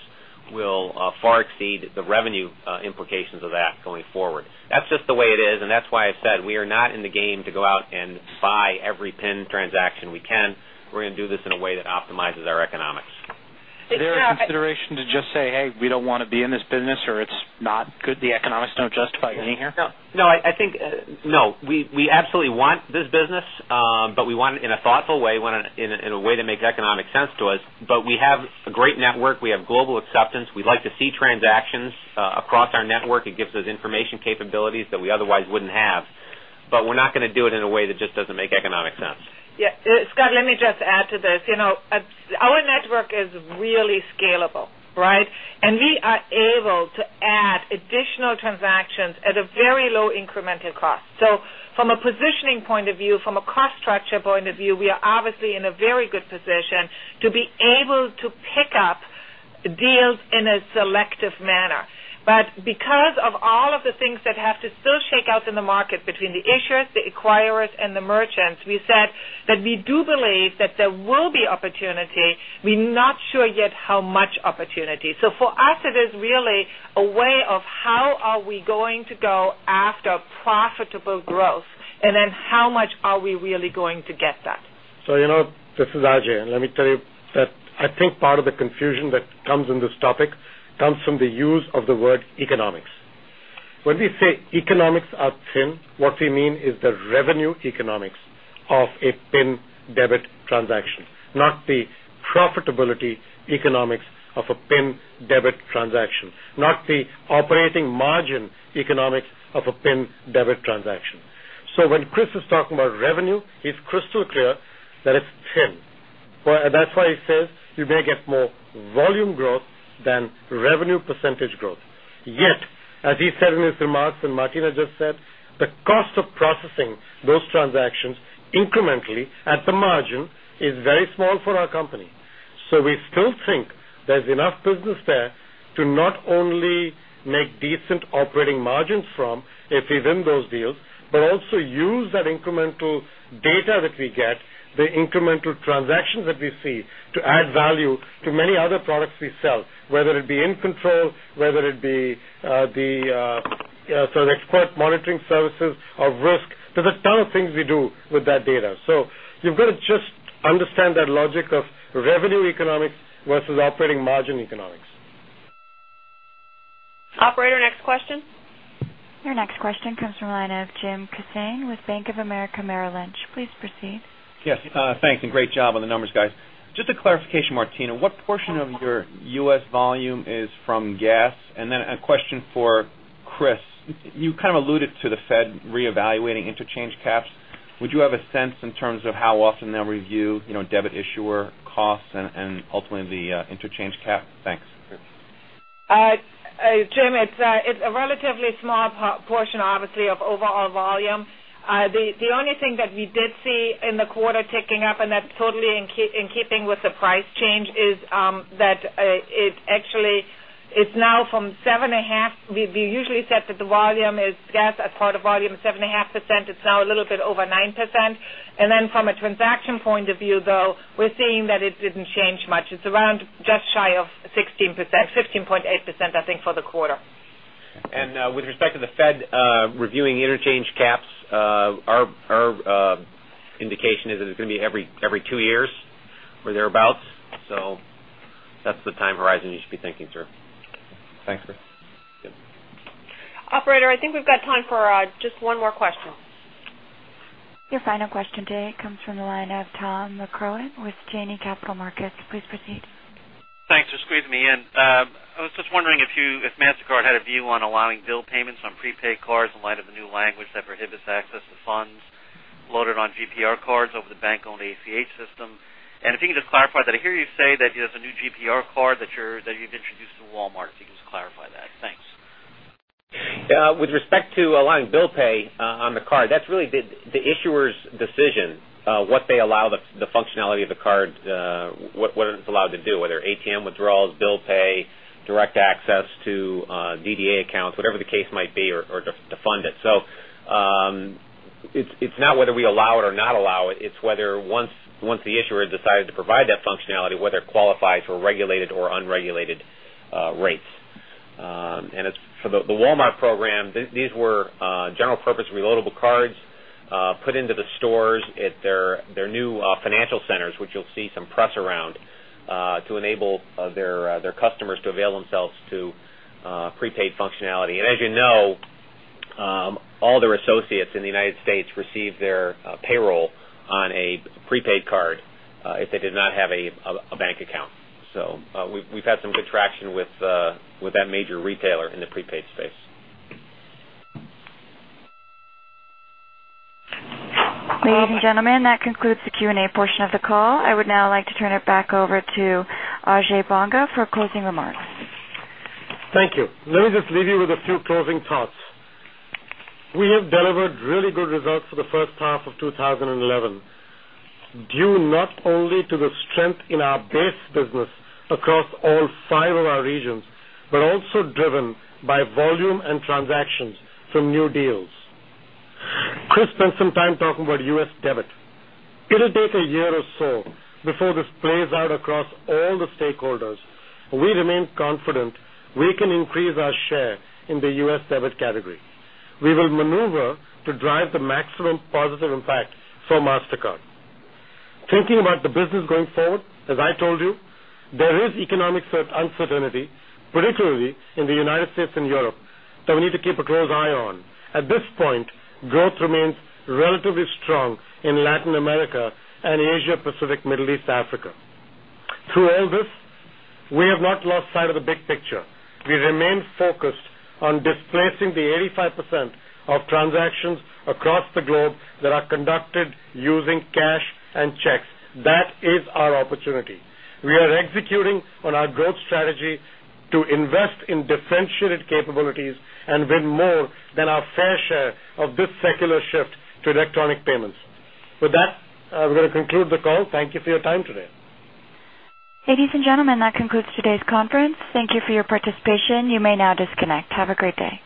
Speaker 4: will far exceed the revenue implications of that going forward. That's just the way it is. That's why I said we are not in the game to go out and buy every PIN transaction we can. We're going to do this in a way that optimizes our economics.
Speaker 14: Is there a consideration to just say, "Hey, we don't want to be in this business," or it's not good, the economics don't justify getting here?
Speaker 4: I think we absolutely want this business, but we want it in a thoughtful way, in a way that makes economic sense to us. We have a great network. We have global acceptance. We'd like to see transactions across our network. It gives us information capabilities that we otherwise wouldn't have. We're not going to do it in a way that just doesn't make economic sense.
Speaker 5: Yeah. Scott, let me just add to this. You know, our network is really scalable, right? We are able to add additional transactions at a very low incremental cost. From a positioning point of view, from a cost structure point of view, we are obviously in a very good position to be able to pick up deals in a selective manner. Because of all of the things that have to still shake out in the market between the issuers, the acquirers, and the merchants, we said that we do believe that there will be opportunity. We're not sure yet how much opportunity. For us, it is really a way of how are we going to go after profitable growth, and then how much are we really going to get that?
Speaker 3: This is Ajay. Let me tell you that I think part of the confusion that comes in this topic comes from the use of the word economics. When we say economics are thin, what we mean is the revenue economics of a PIN debit transaction, not the profitability economics of a PIN debit transaction, not the operating margin economics of a PIN debit transaction. When Chris is talking about revenue, he's crystal clear that it's thin. That's why he says you may get more volume growth than revenue % growth. Yet, as he said in his remarks and Martina just said, the cost of processing those transactions incrementally at the margin is very small for our company. We still think there's enough business there to not only make decent operating margins from if he's in those deals, but also use that incremental data that we get, the incremental transactions that we see to add value to many other products we sell, whether it be inventory, whether it be the sort of export monitoring services or risk. There's a ton of things we do with that data. You've got to just understand that logic of revenue economics versus operating margin economics.
Speaker 5: Operator, next question?
Speaker 1: Your next question comes from the line of Jim Kissane with Bank of America Merrill Lynch. Please proceed.
Speaker 15: Yes. Thanks. Great job on the numbers, guys. Just a clarification, Martina, what portion of your U.S. volume is from gas? A question for Chris. You kind of alluded to the Fed reevaluating interchange caps. Would you have a sense in terms of how often they'll review debit issuer costs and ultimately the interchange cap? Thanks.
Speaker 5: Jim, it's a relatively small portion, obviously, of overall volume. The only thing that we did see in the quarter ticking up, and that's totally in keeping with the price change, is that actually it's now from 7.5%. We usually said that the volume as gas as part of volume is 7.5%. It's now a little bit over 9%. From a transaction point of view, though, we're seeing that it didn't change much. It's around just shy of 16%, 15.8%, I think, for the quarter.
Speaker 4: With respect to the Fed reviewing interchange caps, our indication is that it's going to be every two years or thereabouts. That's the time horizon you should be thinking through.
Speaker 15: Thanks, Chris.
Speaker 5: Operator, I think we've got time for just one more question.
Speaker 1: Your final question today comes from the line of Tom McCrohan with Janney Capital Markets. Please proceed.
Speaker 16: Thanks for squeezing me in. I was just wondering if Mastercard had a view on allowing bill payments on prepaid cards in light of the new language that prohibits access to funds loaded on GPR cards over the bank-owned ACH system. If you can just clarify that. I hear you say that there's a new GPR card that you've introduced to Walmart. If you can just clarify that. Thanks.
Speaker 4: With respect to allowing bill pay on the card, that's really the issuer's decision what they allow the functionality of the card, what it's allowed to do, whether ATM withdrawals, bill pay, direct access to DDA accounts, whatever the case might be, or to fund it. It's not whether we allow it or not allow it. It's whether once the issuer decided to provide that functionality, whether it qualifies for regulated or unregulated rates. For the Walmart program, these were general-purpose reloadable cards put into the stores at their new financial centers, which you'll see some press around to enable their customers to avail themselves to prepaid functionality. As you know, all their associates in the United States receive their payroll on a prepaid card if they did not have a bank account. We've had some good traction with that major retailer in the prepaid space.
Speaker 1: Ladies and gentlemen, that concludes the Q&A portion of the call. I would now like to turn it back over to Ajay Banga for closing remarks.
Speaker 3: Thank you. Let me just leave you with a few closing thoughts. We have delivered really good results for the first half of 2011, due not only to the strength in our base business across all five of our regions, but also driven by volume and transactions from new deals. Chris spent some time talking about U.S. debit. It will take a year or so before this plays out across all the stakeholders. We remain confident we can increase our share in the U.S. debit category. We will maneuver to drive the maximum positive impact for Mastercard. Thinking about the business going forward, as I told you, there is economic uncertainty, particularly in the United States and Europe, that we need to keep a close eye on. At this point, growth remains relatively strong in Latin America and Asia-Pacific, Middle East, and Africa. Through all this, we have not lost sight of the big picture. We remain focused on displacing the 85% of transactions across the globe that are conducted using cash and checks. That is our opportunity. We are executing on our growth strategy to invest in differentiated capabilities and win more than our fair share of this secular shift to electronic payments. With that, we are going to conclude the call. Thank you for your time today.
Speaker 1: Ladies and gentlemen, that concludes today's conference. Thank you for your participation. You may now disconnect. Have a great day.